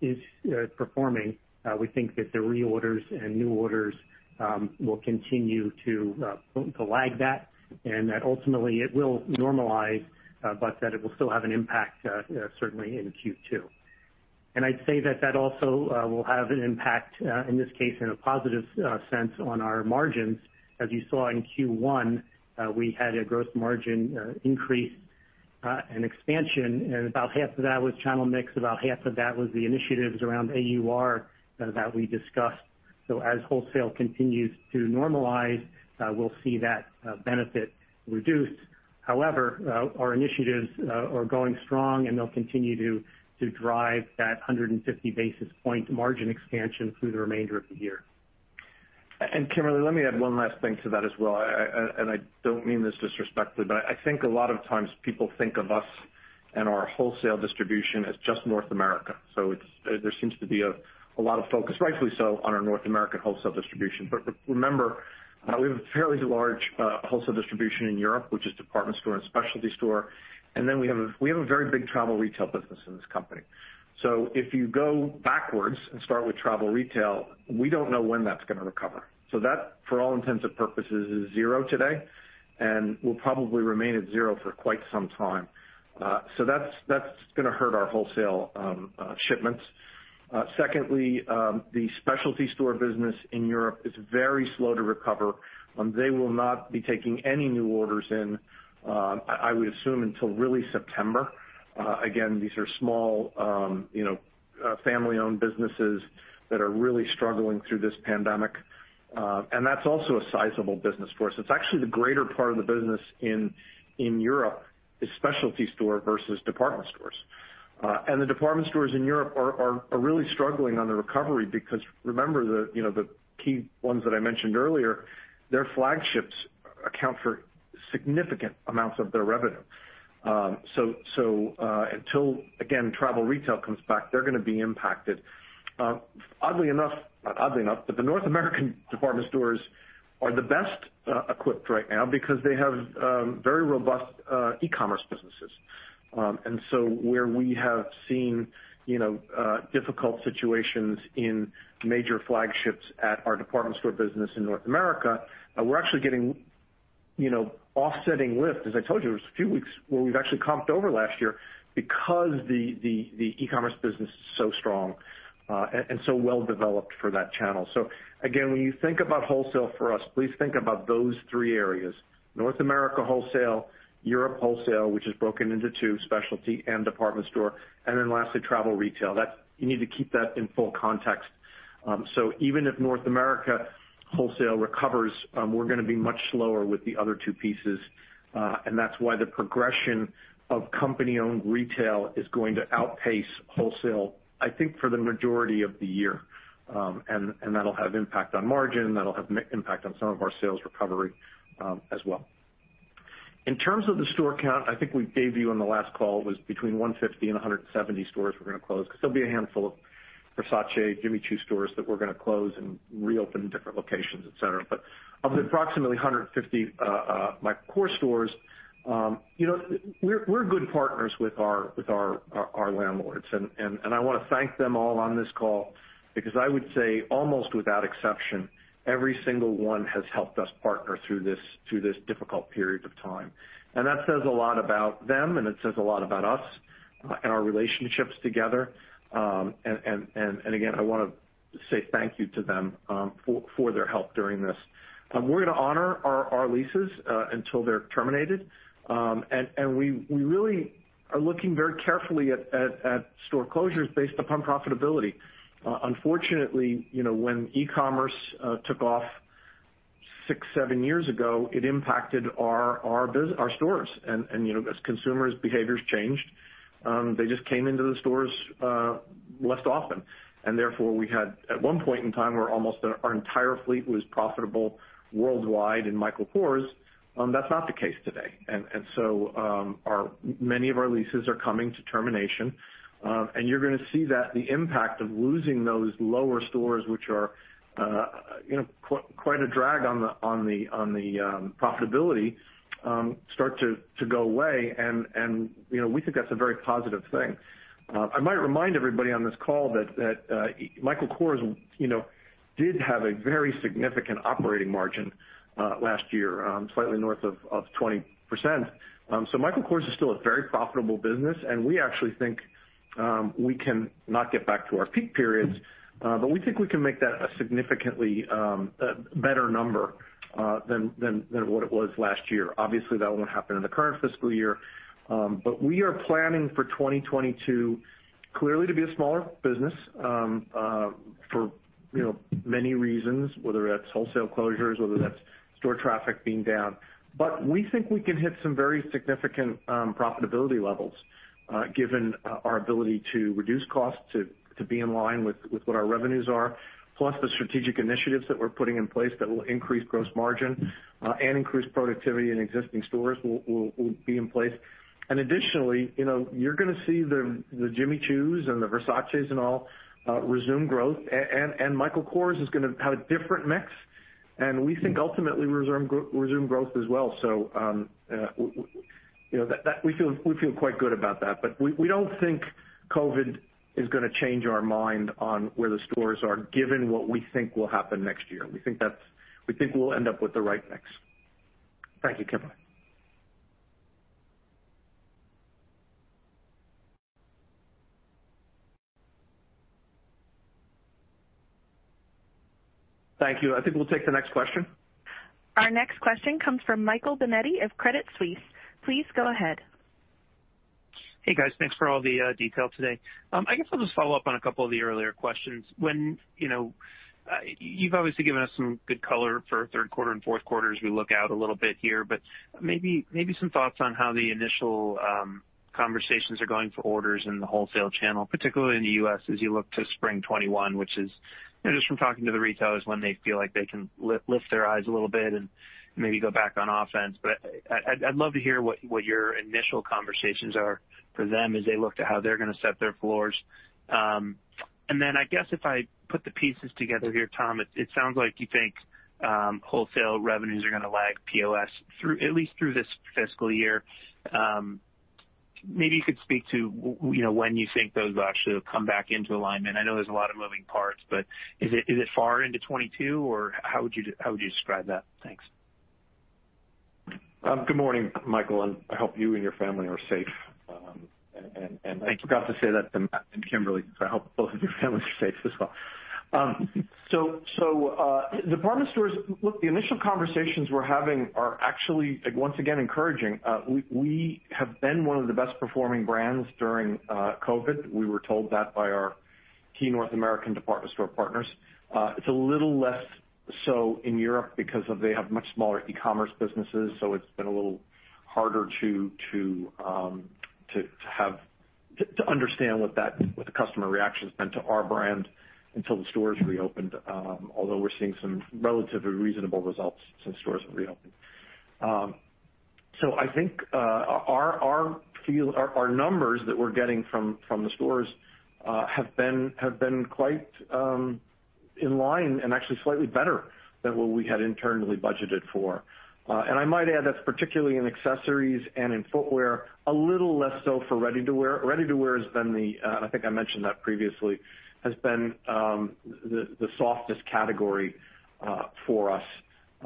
is performing, we think that the reorders and new orders will continue to lag that, and that ultimately it will normalize, but that it will still have an impact, certainly in Q2. I'd say that that also will have an impact, in this case, in a positive sense on our margins. As you saw in Q1, we had a gross margin increase, an expansion, and about half of that was channel mix, about half of that was the initiatives around AUR that we discussed. As wholesale continues to normalize, we'll see that benefit reduced. However, our initiatives are going strong, and they'll continue to drive that 150 basis point margin expansion through the remainder of the year. Kimberly, let me add one last thing to that as well, and I don't mean this disrespectfully, but I think a lot of times people think of us and our wholesale distribution as just North America. There seems to be a lot of focus, rightfully so, on our North America wholesale distribution. Remember, we have a fairly large wholesale distribution in Europe, which is department store and specialty store. We have a very big travel retail business in this company. If you go backwards and start with travel retail, we don't know when that's going to recover. That, for all intents and purposes, is zero today and will probably remain at zero for quite some time. That's gonna hurt our wholesale shipments. Secondly, the specialty store business in Europe is very slow to recover. They will not be taking any new orders in, I would assume, until really September. These are small family-owned businesses that are really struggling through this pandemic. That's also a sizable business for us. It's actually the greater part of the business in Europe is specialty store versus department stores. The department stores in Europe are really struggling on the recovery because remember, the key ones that I mentioned earlier, their flagships account for significant amounts of their revenue. Until, again, travel retail comes back, they're gonna be impacted. Oddly enough, the North American department stores are the best equipped right now because they have very robust e-commerce businesses. Where we have seen difficult situations in major flagships at our department store business in North America, we're actually getting offsetting lift. As I told you, there's a few weeks where we've actually comped over last year because the e-commerce business is so strong and so well developed for that channel. Again, when you think about wholesale for us, please think about those three areas, North America wholesale, Europe wholesale, which is broken into two, specialty and department store, then lastly, travel retail. You need to keep that in full context. Even if North America wholesale recovers, we're gonna be much slower with the other two pieces. That's why the progression of company-owned retail is going to outpace wholesale, I think, for the majority of the year. That'll have impact on margin, that'll have impact on some of our sales recovery as well. In terms of the store count, I think we gave you on the last call, it was between 150 and 170 stores we're going to close because there'll be a handful of Versace, Jimmy Choo stores that we're going to close and reopen in different locations, et cetera. Of the approximately 150 Michael Kors stores, we're good partners with our landlords. I want to thank them all on this call because I would say almost without exception, every single one has helped us partner through this difficult period of time. That says a lot about them, and it says a lot about us and our relationships together. Again, I want to say thank you to them for their help during this. We're going to honor our leases, until they're terminated. We really are looking very carefully at store closures based upon profitability. Unfortunately, when e-commerce took off six, seven years ago, it impacted our stores. As consumers' behaviors changed, they just came into the stores less often. Therefore, we had at one point in time where almost our entire fleet was profitable worldwide in Michael Kors. That's not the case today. So many of our leases are coming to termination. You're going to see that the impact of losing those lower stores, which are quite a drag on the profitability, start to go away, and we think that's a very positive thing. I might remind everybody on this call that Michael Kors did have a very significant operating margin last year, slightly north of 20%. Michael Kors is still a very profitable business, and we actually think we can not get back to our peak periods, but we think we can make that a significantly better number than what it was last year. Obviously, that won't happen in the current fiscal year. We are planning for 2022 clearly to be a smaller business for many reasons, whether that's wholesale closures, whether that's store traffic being down. We think we can hit some very significant profitability levels, given our ability to reduce costs to be in line with what our revenues are. Plus the strategic initiatives that we're putting in place that will increase gross margin and increase productivity in existing stores will be in place. Additionally you're going to see the Jimmy Choos and the Versaces and all resume growth. Michael Kors is going to have a different mix, and we think ultimately resume growth as well. We feel quite good about that. We don't think COVID is going to change our mind on where the stores are given what we think will happen next year. We think we'll end up with the right mix. Thank you, Kimberly. Thank you. I think we'll take the next question. Our next question comes from Michael Binetti of Credit Suisse. Please go ahead. Hey, guys. Thanks for all the detail today. I guess I'll just follow up on a couple of the earlier questions. You've obviously given us some good color for third quarter and fourth quarter as we look out a little bit here, maybe some thoughts on how the initial conversations are going for orders in the wholesale channel, particularly in the U.S. as you look to spring 2021, which is, just from talking to the retailers, when they feel like they can lift their eyes a little bit and maybe go back on offense. I'd love to hear what your initial conversations are for them as they look to how they're going to set their floors. I guess if I put the pieces together here, Tom, it sounds like you think wholesale revenues are going to lag POS at least through this fiscal year. Maybe you could speak to when you think those actually will come back into alignment. I know there's a lot of moving parts, but is it far into 2022, or how would you describe that? Thanks. Good morning, Michael, and I hope you and your family are safe. Thank you. I forgot to say that to Matthew and Kimberly. I hope both of your families are safe as well. Department stores, look, the initial conversations we are having are actually, once again, encouraging. We have been one of the best-performing brands during COVID-19. We were told that by our key North American department store partners. It is a little less so in Europe because they have much smaller e-commerce businesses. It has been a little harder to understand what the customer reaction has been to our brand until the stores reopened. Although we are seeing some relatively reasonable results since stores have reopened. I think our numbers that we are getting from the stores have been quite in line and actually slightly better than what we had internally budgeted for. I might add that is particularly in accessories and in footwear, a little less so for ready-to-wear. Ready-to-wear has been the softest category for us.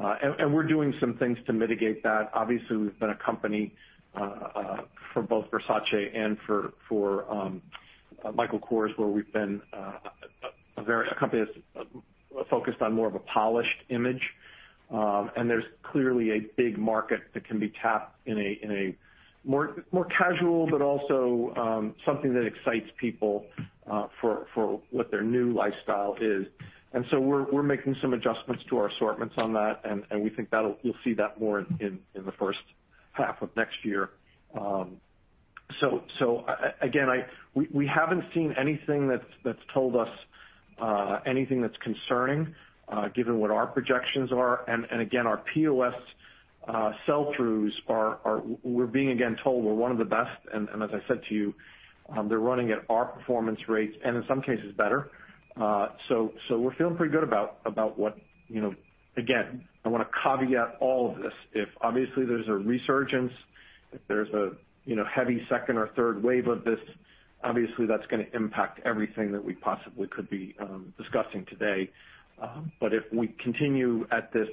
We're doing some things to mitigate that. Obviously, the company for both Versace and for Michael Kors, we've been a company that's focused on more of a polished image. There's clearly a big market that can be tapped in a more casual, but also something that excites people for what their new lifestyle is. We're making some adjustments to our assortments on that, and we think you'll see that more in the first half of next year. Again, we haven't seen anything that's told us anything that's concerning, given what our projections are. Again, our POS sell-throughs, we're being told we're one of the best, and as I said to you, they're running at our performance rates, and in some cases better. We're feeling pretty good about. Again, I want to caveat all of this. If obviously there's a resurgence, if there's a heavy second or third wave of this, obviously that's going to impact everything that we possibly could be discussing today. If we continue at this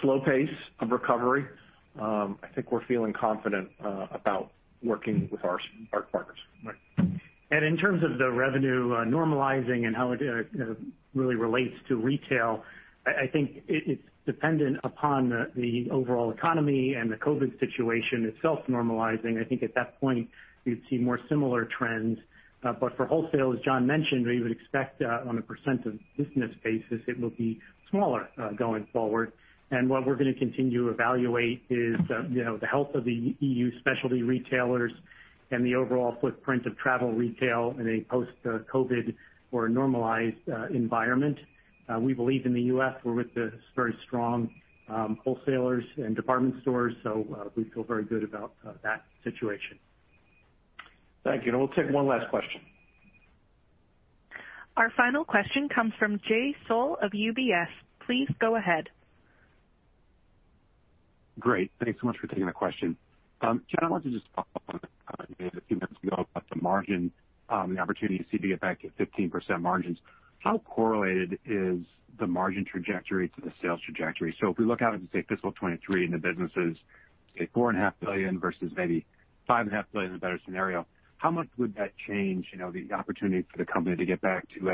slow pace of recovery, I think we're feeling confident about working with our partners. Right. In terms of the revenue normalizing and how it really relates to retail, I think it's dependent upon the overall economy and the COVID situation itself normalizing. I think at that point, you'd see more similar trends. For wholesale, as John mentioned, we would expect on a % of business basis, it will be smaller going forward. What we're going to continue to evaluate is the health of the EU specialty retailers and the overall footprint of travel retail in a post-COVID or a normalized environment. We believe in the U.S., we're with very strong wholesalers and department stores. We feel very good about that situation. Thank you. We'll take one last question. Our final question comes from Jay Sole of UBS. Please go ahead. Great. Thanks so much for taking the question. John, I wanted to just follow up on a few minutes ago about the margin, the opportunity to see to get back to 15% margins. How correlated is the margin trajectory to the sales trajectory? If we look out into, say, fiscal 2023, and the business is, say, $4.5 billion versus maybe $5.5 billion in a better scenario, how much would that change the opportunity for the company to get back to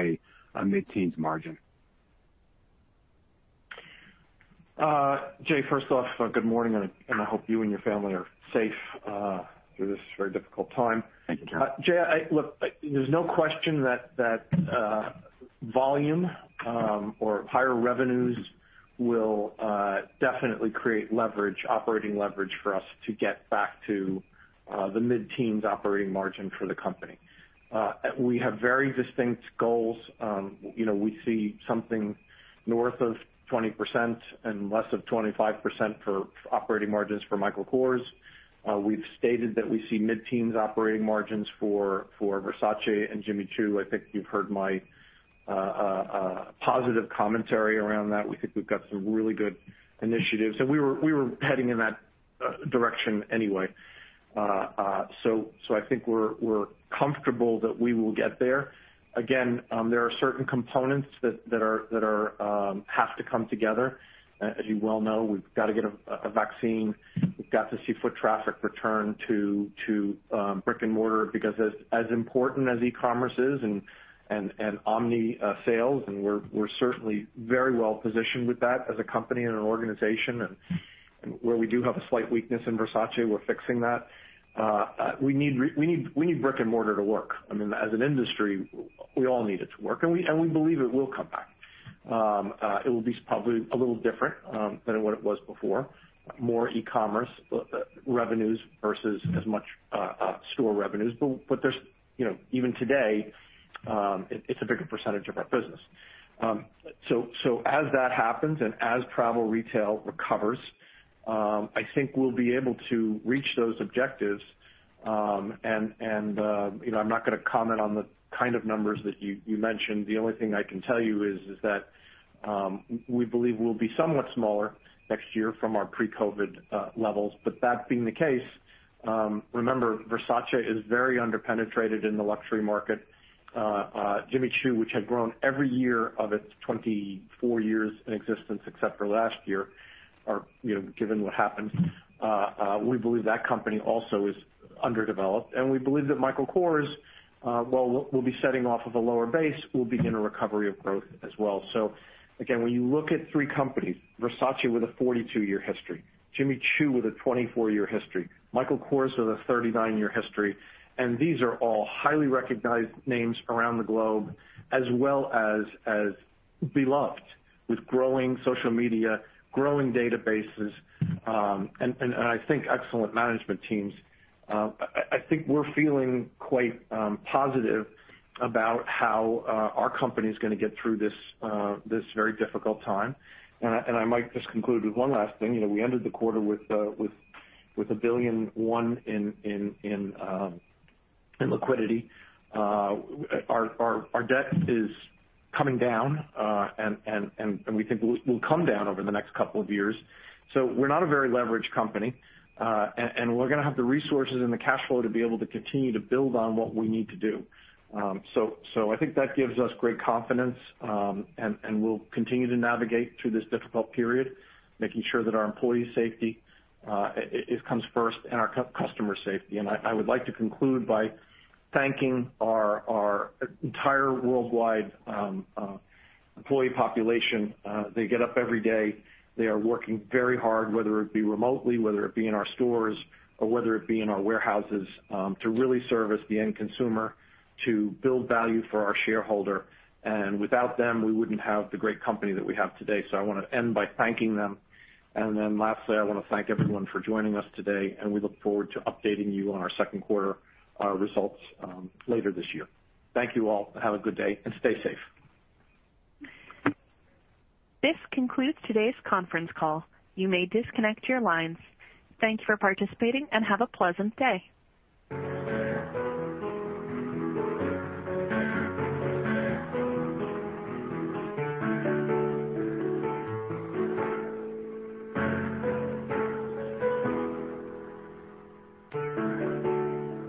a mid-teens margin? Jay, first off, good morning. I hope you and your family are safe through this very difficult time. Thank you, John. Jay, look, there's no question that volume or higher revenues will definitely create leverage, operating leverage for us to get back to the mid-teens operating margin for the company. We have very distinct goals. We see something north of 20% and less of 25% for operating margins for Michael Kors. We've stated that we see mid-teens operating margins for Versace and Jimmy Choo. I think you've heard my positive commentary around that. We think we've got some really good initiatives. We were heading in that direction anyway. I think we're comfortable that we will get there. Again, there are certain components that have to come together. As you well know, we've got to get a vaccine. We've got to see foot traffic return to brick and mortar because as important as e-commerce is and omni sales, and we're certainly very well positioned with that as a company and an organization, and where we do have a slight weakness in Versace, we're fixing that. We need brick and mortar to work. As an industry, we all need it to work, and we believe it will come back. It will be probably a little different than what it was before. More e-commerce revenues versus as much store revenues. Even today, it's a bigger percentage of our business. As that happens and as travel retail recovers, I think we'll be able to reach those objectives. I'm not going to comment on the kind of numbers that you mentioned. The only thing I can tell you is that we believe we'll be somewhat smaller next year from our pre-COVID-19 levels. That being the case, remember, Versace is very under-penetrated in the luxury market. Jimmy Choo, which had grown every year of its 24 years in existence except for last year, given what happened, we believe that company also is underdeveloped. We believe that Michael Kors, while we'll be setting off of a lower base, will begin a recovery of growth as well. Again, when you look at three companies, Versace with a 42-year history, Jimmy Choo with a 24-year history, Michael Kors with a 39-year history, and these are all highly recognized names around the globe, as well as beloved, with growing social media, growing databases, and I think excellent management teams. I think we're feeling quite positive about how our company's going to get through this very difficult time. I might just conclude with one last thing. We ended the quarter with $1 billion in liquidity. Our debt is coming down, and we think will come down over the next couple of years. We're not a very leveraged company. We're going to have the resources and the cash flow to be able to continue to build on what we need to do. I think that gives us great confidence, and we'll continue to navigate through this difficult period, making sure that our employee safety comes first and our customer safety. I would like to conclude by thanking our entire worldwide employee population. They get up every day. They are working very hard, whether it be remotely, whether it be in our stores, or whether it be in our warehouses, to really service the end consumer, to build value for our shareholder. Without them, we wouldn't have the great company that we have today. I want to end by thanking them. Lastly, I want to thank everyone for joining us today, and we look forward to updating you on our second quarter results later this year. Thank you all. Have a good day, and stay safe. This concludes today's conference call. You may disconnect your lines. Thank you for participating, and have a pleasant day.